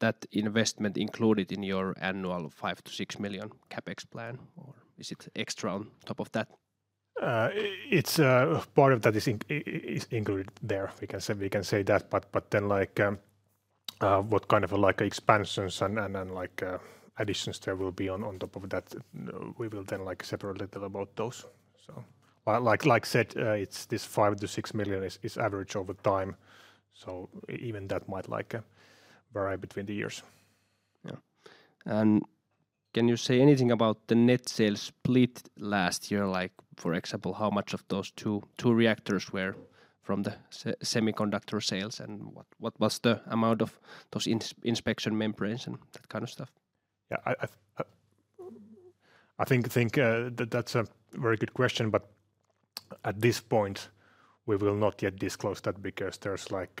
Speaker 4: that investment included in your annual 5 million-6 million CapEx plan or is it extra on top of that?
Speaker 3: It's part of that, is included there. We can say that. Like what kind of expansions and additions there will be on top of that, we will then separately tell about those. Like said, this 5 million-6 million is average over time. Even that might vary between the years.
Speaker 4: Yeah. Can you say anything about the net sales split last year? For example, how much of those two reactors were from the semiconductor sales and what was the amount of those inspection membranes and that kind of stuff?
Speaker 3: Yeah, I think that's a very good question, but at this point, we will not yet disclose that because there's like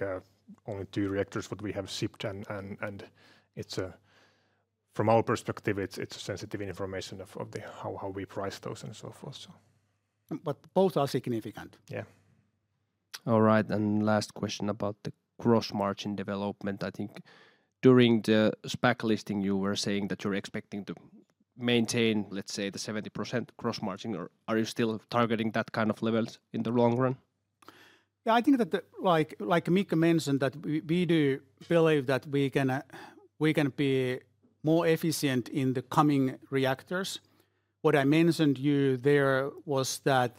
Speaker 3: only two reactors what we have shipped and it's, from our perspective, it's sensitive information of how we price those and so forth.
Speaker 2: Both are significant.
Speaker 4: Yeah. All right. Last question about the gross-margin development. I think during the SPAC listing, you were saying that you're expecting to maintain, let's say, the 70% gross-margin. Are you still targeting that kind of levels in the long run?
Speaker 2: Yeah, I think that like Mikko mentioned that we do believe that we can be more efficient in the coming reactors. What I mentioned to you there was that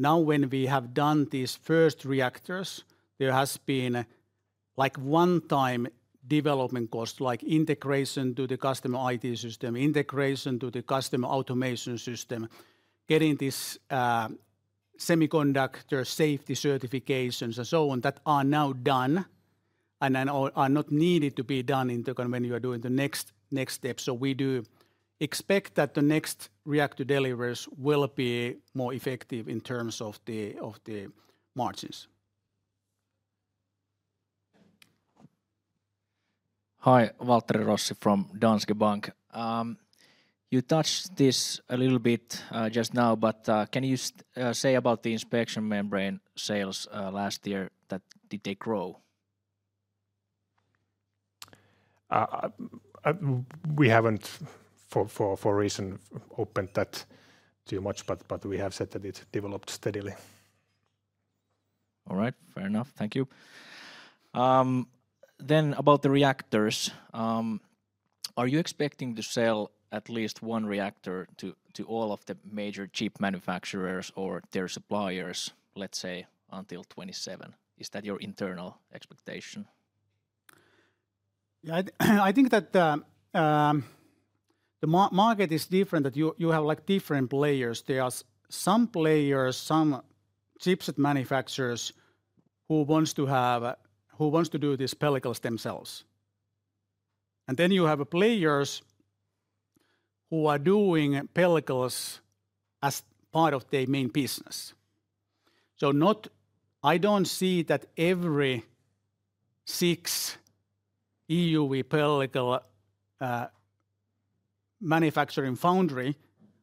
Speaker 2: now when we have done these first reactors, there has been like one-time development cost, like integration to the customer IT system, integration to the customer automation system, getting these semiconductor safety certifications and so on that are now done and are not needed to be done when you are doing the next step. We do expect that the next reactor deliveries will be more effective in terms of the margins.
Speaker 5: Hi, Waltteri Rossi from Danske Bank. You touched this a little bit just now, but can you say about the inspection membrane sales last year? Did they grow?
Speaker 3: We have not for recent opened that too much, but we have said that it developed steadily.
Speaker 5: All right. Fair enough. Thank you. Then about the reactors. Are you expecting to sell at least one reactor to all of the major chip manufacturers or their suppliers, let's say, until 2027? Is that your internal expectation?
Speaker 2: Yeah, I think that the market is different that you have like different players. There are some players, some chipset manufacturers who want to do these pellicles themselves. You have players who are doing pellicles as part of their main business. I don't see that every six EUV pellicle manufacturing foundry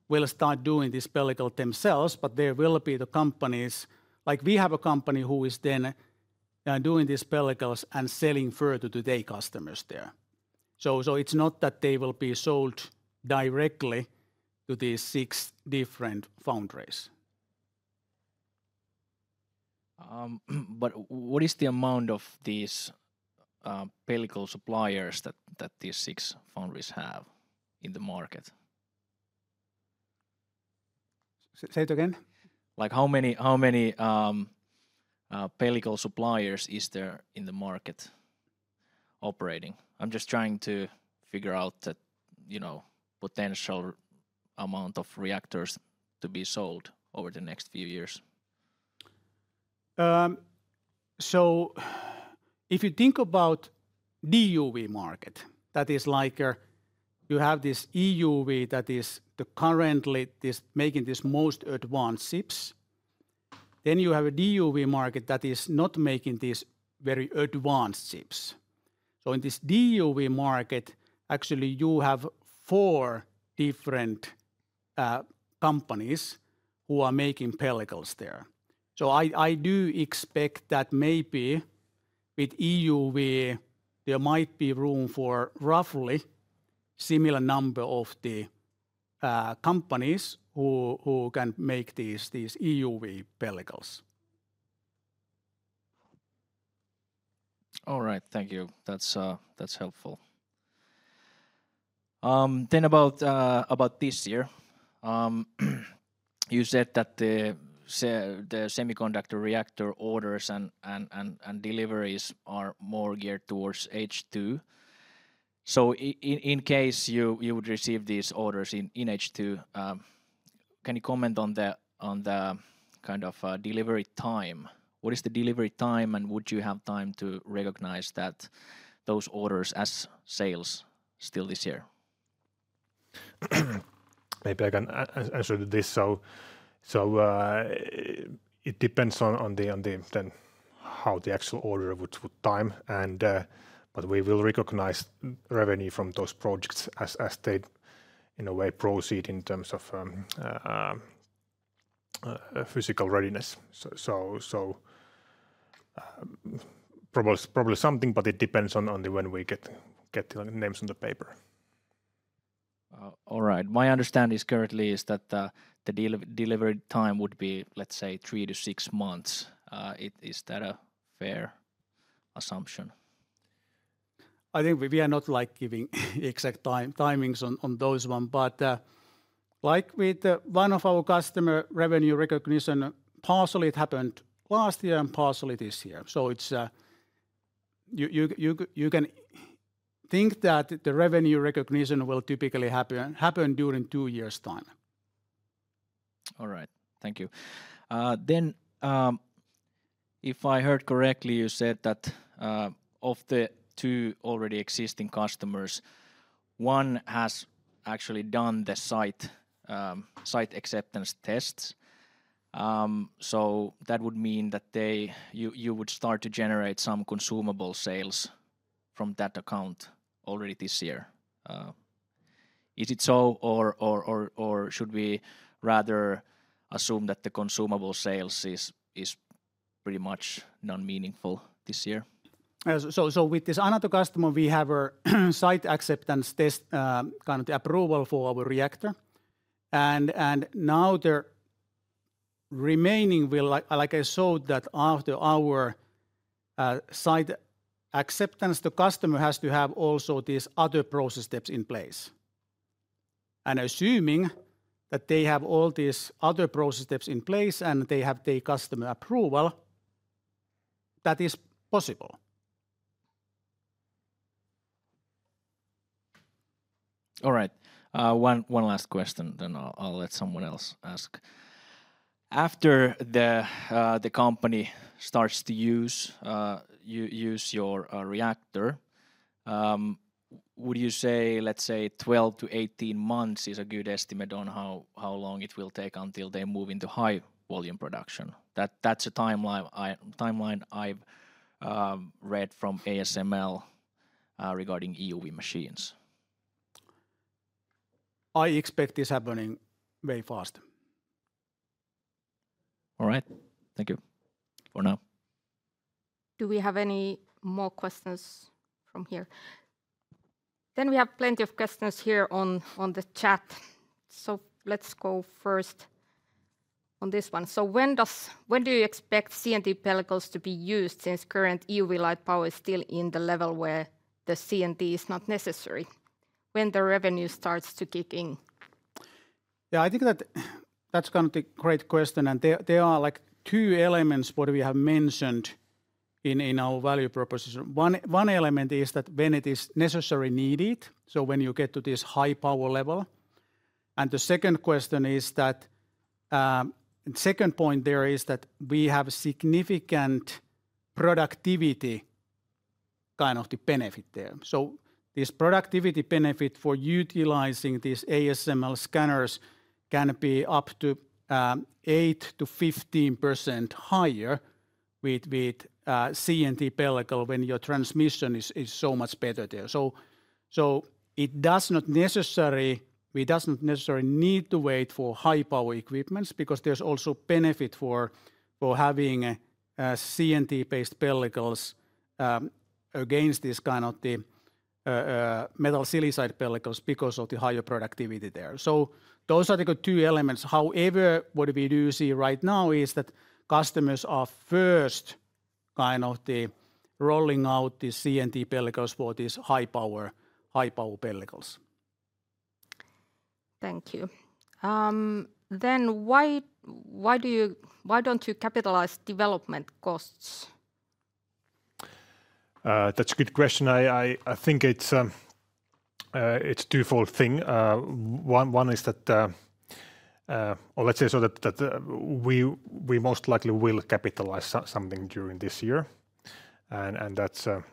Speaker 2: will start doing these pellicles themselves, but there will be the companies like we have a company who is then doing these pellicles and selling further to their customers there. It is not that they will be sold directly to these six different foundries.
Speaker 5: What is the amount of these pellicle suppliers that these six foundries have in the market?
Speaker 2: Say it again.
Speaker 5: Like how many pellicle suppliers is there in the market operating? I'm just trying to figure out that potential amount of reactors to be sold over the next few years.
Speaker 2: If you think about the EUV market, that is like you have this EUV that is currently making these most advanced chips. Then you have a DUV market that is not making these very advanced chips. In this DUV market, actually you have four different companies who are making pellicles there. I do expect that maybe with EUV, there might be room for roughly a similar number of the companies who can make these EUV pellicles.
Speaker 5: All right. Thank you. That's helpful. About this year, you said that the semiconductor reactor orders and deliveries are more geared towards H2. In case you would receive these orders in H2, can you comment on the kind of delivery time? What is the delivery time and would you have time to recognize those orders as sales still this year? Maybe I can answer this.
Speaker 3: It depends on then how the actual order would time. We will recognize revenue from those projects as they in a way proceed in terms of physical readiness. Probably something, but it depends on when we get the names on the paper. All right.
Speaker 5: My understanding currently is that the delivery time would be, let's say, three to six months. Is that a fair assumption?
Speaker 2: I think we are not like giving exact timings on those ones. Like with one of our customer revenue recognition, partially it happened last year and partially this year. You can think that the revenue recognition will typically happen during two years' time.
Speaker 5: All right. Thank you. If I heard correctly, you said that of the two already existing customers, one has actually done the site acceptance tests. That would mean that you would start to generate some consumable sales from that account already this year. Is it so or should we rather assume that the consumable sales is pretty much non-meaningful this year?
Speaker 2: With this another customer, we have a site acceptance test kind of approval for our reactor. Now the remaining will, like I showed, after our site acceptance, the customer has to have also these other process steps in place. Assuming that they have all these other process steps in place and they have their customer approval, that is possible.
Speaker 5: All right. One last question, then I'll let someone else ask. After the company starts to use your reactor, would you say, let's say, 12 months-18 months is a good estimate on how long it will take until they move into high volume production? That's a timeline I've read from ASML regarding EUV machines.
Speaker 2: I expect this happening very fast.
Speaker 5: All right. Thank you for now.
Speaker 1: Do we have any more questions from here? We have plenty of questions here on the chat. Let's go first on this one. When do you expect CNT pellicles to be used since current EUV light power is still in the level where the CNT is not necessary? When does the revenue start to kick in?
Speaker 2: Yeah, I think that that's kind of a great question. There are like two elements what we have mentioned in our value proposition. One element is that when it is necessary, needed, so when you get to this high power level. The second question is that the second point there is that we have significant productivity kind of the benefit there. This productivity benefit for utilizing these ASML scanners can be up to 8%-15% higher with CNT pellicle when your transmission is so much better there. It does not necessarily, we do not necessarily need to wait for high power equipment because there is also benefit for having CNT-based pellicles against this kind of the metal silicide pellicles because of the higher productivity there. Those are the two elements. However, what we do see right now is that customers are first kind of rolling out the CNT pellicles for these high power pellicles.
Speaker 1: Thank you. Why do you not capitalize development costs?
Speaker 3: That is a good question. I think it's a two-fold thing. One is that, or let's say so that we most likely will capitalize something during this year. That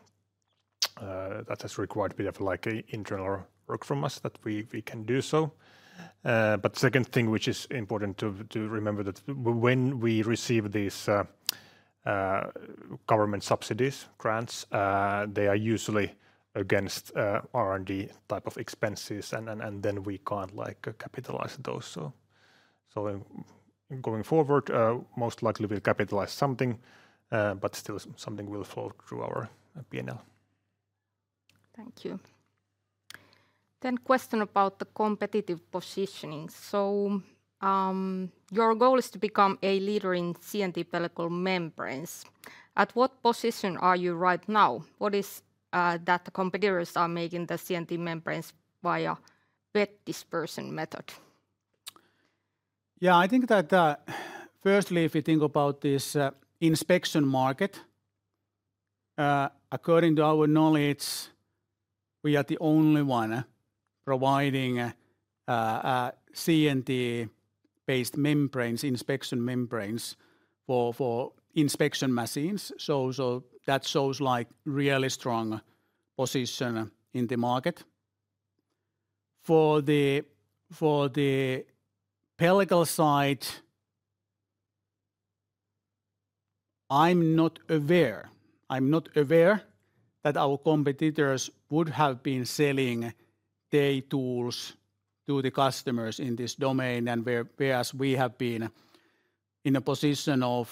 Speaker 3: has required a bit of like internal work from us that we can do so. The second thing which is important to remember is that when we receive these government subsidies grants, they are usually against R&D type of expenses and then we can't like capitalize those. Going forward, most likely we'll capitalize something, but still something will flow through our P&L.
Speaker 1: Thank you. Question about the competitive positioning. Your goal is to become a leader in CNT pellicle membranes. At what position are you right now? Is it that the competitors are making the CNT membranes via wet dispersion method?
Speaker 2: Yeah, I think that firstly if you think about this inspection market, according to our knowledge, we are the only one providing CNT-based membranes, inspection membranes for inspection machines. That shows like really strong position in the market. For the pellicle side, I'm not aware. I'm not aware that our competitors would have been selling their tools to the customers in this domain, whereas we have been in a position of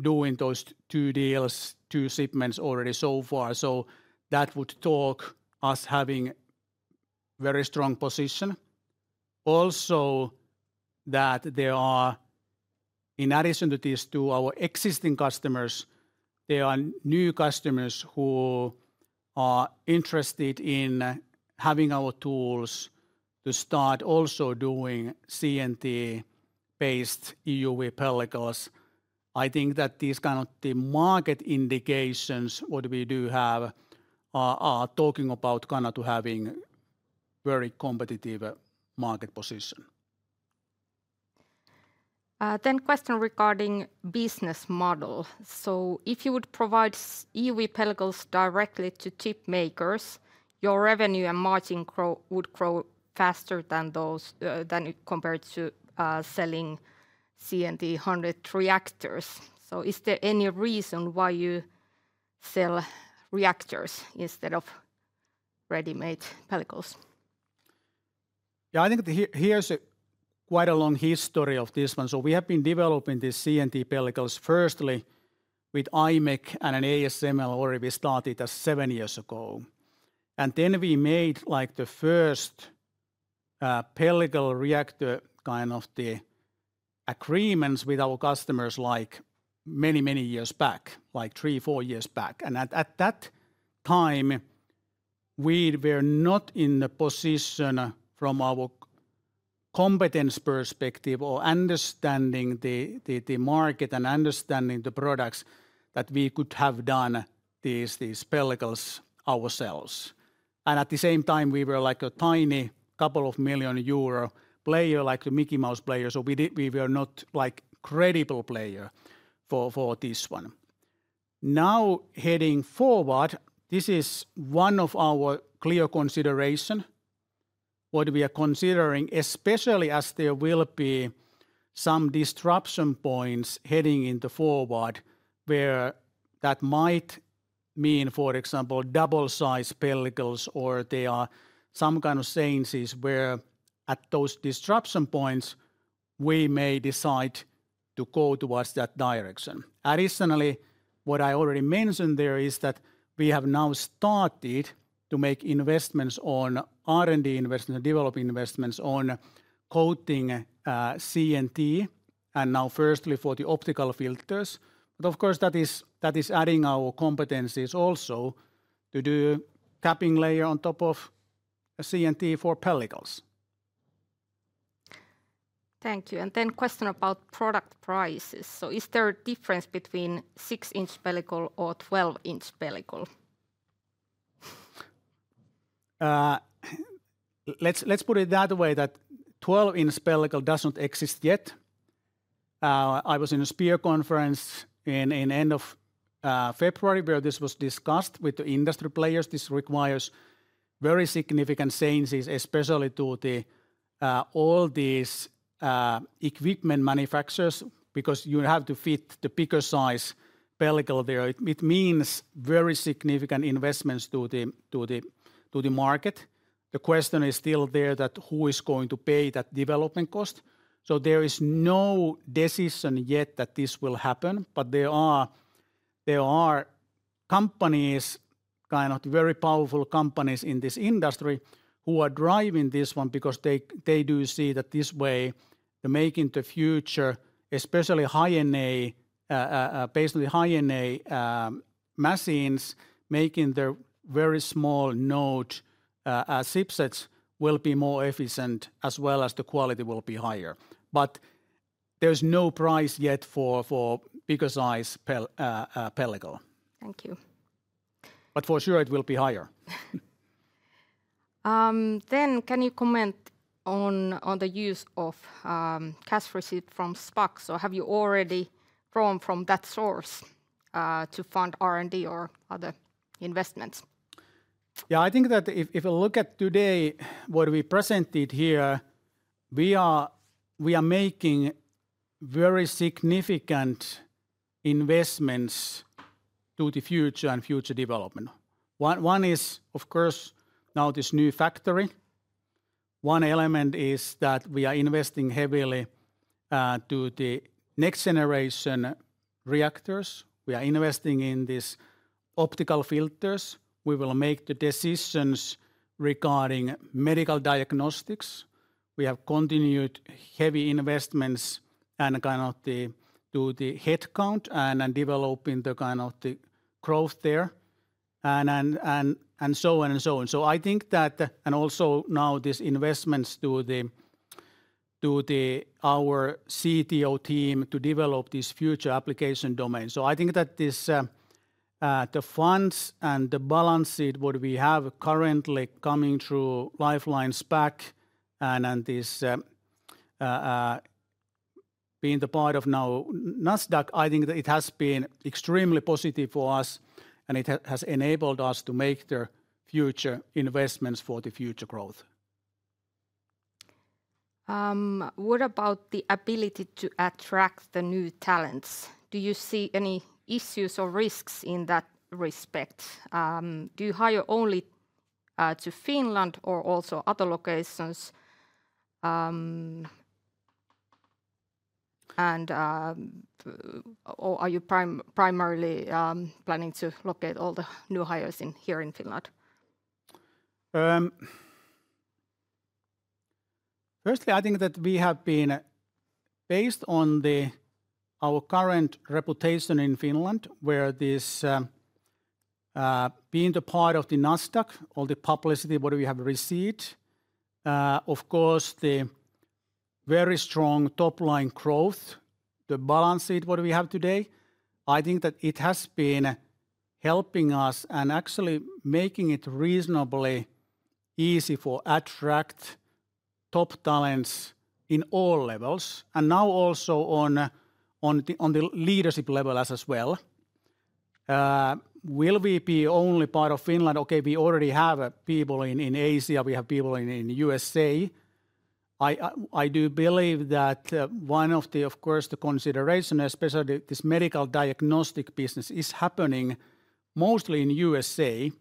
Speaker 2: doing those two deals, two shipments already so far. That would talk us having a very strong position. Also that there are, in addition to these two our existing customers, there are new customers who are interested in having our tools to start also doing CNT-based EUV pellicles. I think that these kind of the market indications what we do have are talking about kind of having a very competitive market position.
Speaker 1: A question regarding business model. If you would provide EUV pellicles directly to chip makers, your revenue and margin would grow faster than compared to selling CNT 100 reactors. Is there any reason why you sell reactors instead of ready-made pellicles?
Speaker 2: I think that here's quite a long history of this one. We have been developing these CNT pellicles firstly with IMEC and ASML. Already we started seven years ago. We made the first pellicle reactor kind of agreements with our customers many, many years back, like three or four years back. At that time, we were not in the position from our competence perspective or understanding the market and understanding the products that we could have done these pellicles ourselves. At the same time, we were like a tiny couple of million EUR player, like the Mickey Mouse player. We were not like a credible player for this one. Now heading forward, this is one of our clear considerations, what we are considering, especially as there will be some disruption points heading into forward where that might mean, for example, double-sized pellicles or there are some kind of changes where at those disruption points we may decide to go towards that direction. Additionally, what I already mentioned there is that we have now started to make investments on R&D investments and develop investments on coating CNT and now firstly for the optical filters. Of course, that is adding our competencies also to do capping layer on top of CNT for pellicles.
Speaker 1: Thank you. Then question about product prices. Is there a difference between 6-inch pellicle or 12-inch pellicle?
Speaker 2: Let's put it that way that 12-inch pellicle does not exist yet. I was in a SPEA conference in the end of February where this was discussed with the industry players. This requires very significant changes, especially to all these equipment manufacturers because you have to fit the bigger size pellicle there. It means very significant investments to the market. The question is still there that who is going to pay that development cost. There is no decision yet that this will happen. There are companies, kind of very powerful companies in this industry who are driving this one because they do see that this way the making the future, especially high-end, basically high-end machines making their very small node chipsets will be more efficient as well as the quality will be higher. There is no price yet for bigger size pellicle.
Speaker 1: Thank you.
Speaker 2: For sure it will be higher.
Speaker 1: Can you comment on the use of cash receipt from SPAC? Have you already drawn from that source to fund R&D or other investments?
Speaker 2: Yeah, I think that if we look at today what we presented here, we are making very significant investments to the future and future development. One is, of course, now this new factory. One element is that we are investing heavily to the next generation reactors. We are investing in these optical filters. We will make the decisions regarding medical diagnostics. We have continued heavy investments and kind of the headcount and developing the kind of the growth there. And so on. I think that, also now these investments to our CTO team to develop this future application domain. I think that the funds and the balance sheet what we have currently coming through Lifeline SPAC and this being the part of now Nasdaq, I think that it has been extremely positive for us and it has enabled us to make the future investments for the future growth.
Speaker 1: What about the ability to attract the new talents? Do you see any issues or risks in that respect? Do you hire only to Finland or also other locations? Are you primarily planning to locate all the new hires here in Finland?
Speaker 2: Firstly, I think that we have been based on our current reputation in Finland where this being the part of the Nasdaq, all the publicity what we have received. Of course, the very strong top-line growth, the balance sheet what we have today, I think that it has been helping us and actually making it reasonably easy for attract top talents in all levels and now also on the leadership level as well. Will we be only part of Finland? Okay, we already have people in Asia, we have people in the USA. I do believe that one of the, of course, the consideration, especially this medical diagnostic business is happening mostly in the USA.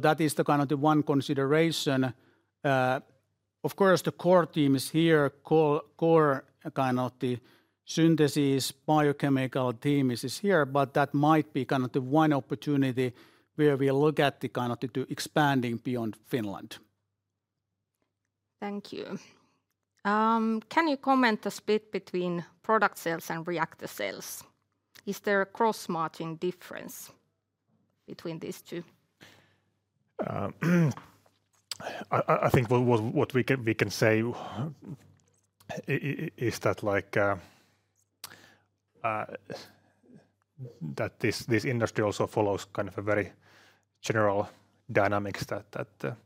Speaker 2: That is the kind of the one consideration. Of course, the core teams here, core kind of the synthesis biochemical team is here, but that might be kind of the one opportunity where we look at the kind of the expanding beyond Finland.
Speaker 1: Thank you. Can you comment a bit between product sales and reactor sales? Is there a cross-margin difference between these two?
Speaker 3: I think what we can say is that like that this industry also follows kind of a very general dynamic that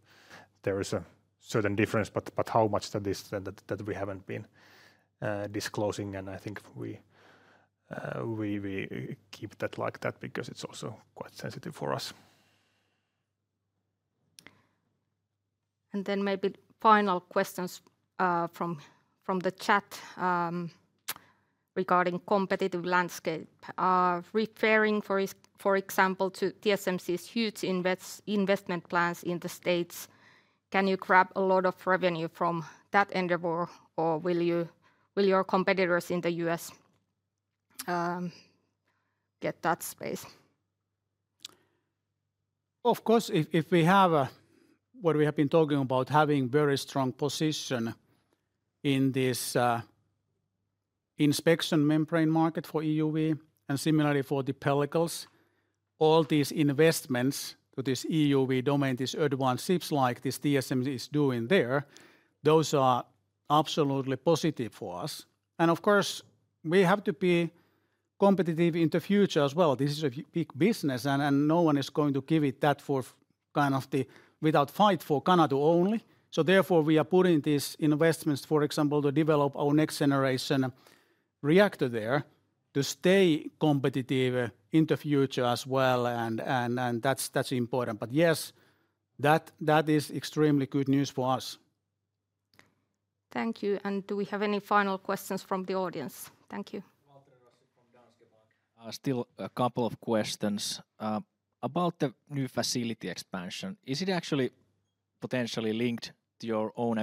Speaker 3: there is a certain difference, but how much that is that we have not been disclosing. I think we keep that like that because it is also quite sensitive for us.
Speaker 1: Maybe final questions from the chat regarding competitive landscape. Referring for example to TSMC's huge investment plans in the US, can you grab a lot of revenue from that endeavor or will your competitors in the U.S. get that space?
Speaker 2: Of course, if we have what we have been talking about, having a very strong position in this inspection membrane market for EUV and similarly for the pellicles, all these investments to this EUV domain, this advanced chips like this TSMC is doing there, those are absolutely positive for us. Of course, we have to be competitive in the future as well. This is a big business and no one is going to give it that for kind of the without fight for Canatu only. Therefore we are putting these investments, for example, to develop our next generation reactor there to stay competitive in the future as well. That is important. Yes, that is extremely good news for us.
Speaker 1: Thank you. Do we have any final questions from the audience? Thank you. Still a couple of questions about the new facility expansion. Is it actually potentially linked to your own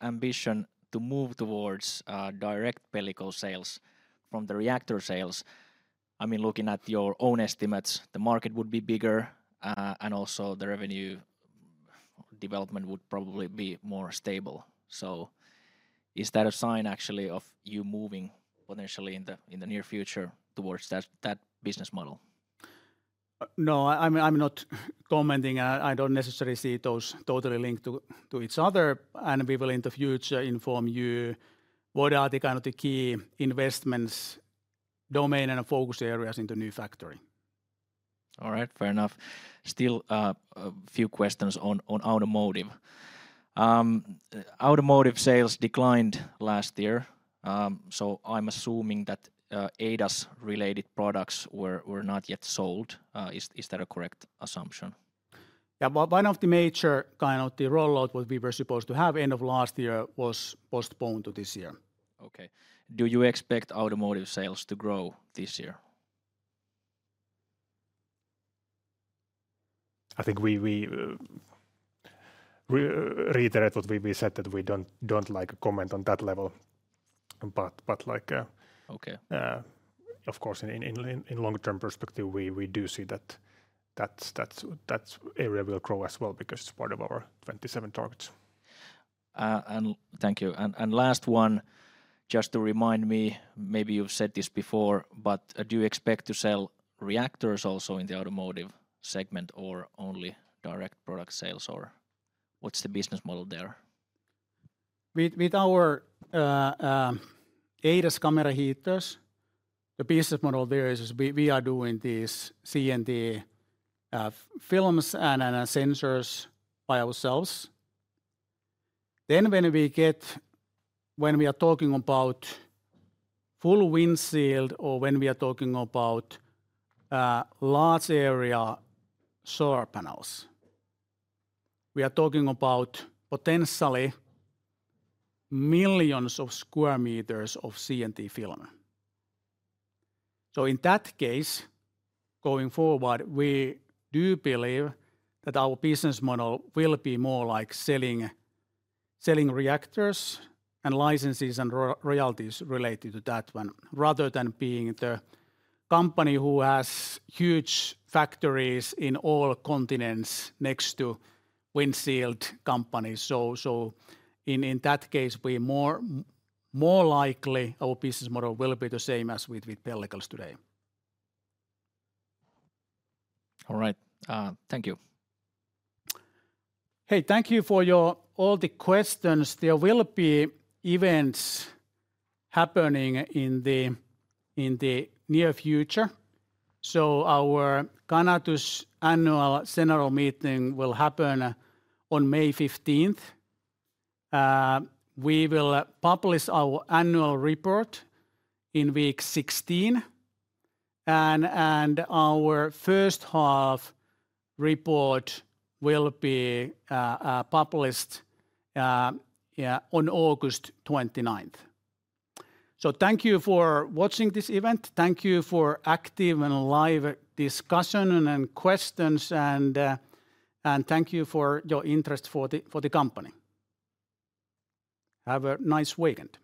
Speaker 1: ambition to move towards direct pellicle sales from the reactor sales? I mean, looking at your own estimates, the market would be bigger and also the revenue development would probably be more stable. Is that a sign actually of you moving potentially in the near future towards that business model?
Speaker 2: No, I'm not commenting. I don't necessarily see those totally linked to each other. We will in the future inform you what are the kind of the key investments domain and focus areas in the new factory. All right, fair enough. Still a few questions on automotive. Automotive sales declined last year. I am assuming that ADAS-related products were not yet sold. Is that a correct assumption? Yeah, one of the major kind of the rollout what we were supposed to have end of last year was postponed to this year. Okay. Do you expect automotive sales to grow this year?
Speaker 3: I think we reiterate what we said that we don't like to comment on that level. Like, of course, in long-term perspective, we do see that that area will grow as well because it's part of our 2027 targets. Thank you. Last one, just to remind me, maybe you've said this before, but do you expect to sell reactors also in the automotive segment or only direct product sales? What's the business model there?
Speaker 2: With our ADAS camera heaters, the business model there is we are doing these CNT films and sensors by ourselves. When we are talking about full windshield or when we are talking about large area solar panels, we are talking about potentially millions of square meters of CNT film. In that case, going forward, we do believe that our business model will be more like selling reactors and licenses and royalties related to that one rather than being the company who has huge factories in all continents next to windshield companies. In that case, more likely our business model will be the same as with pellicles today. All right. Thank you. Hey, thank you for all the questions. There will be events happening in the near future. Our Canatu annual general meeting will happen on May 15th. We will publish our annual report in week 16. Our first half report will be published on August 29th. Thank you for watching this event. Thank you for active and live discussion and questions. Thank you for your interest for the company. Have a nice weekend.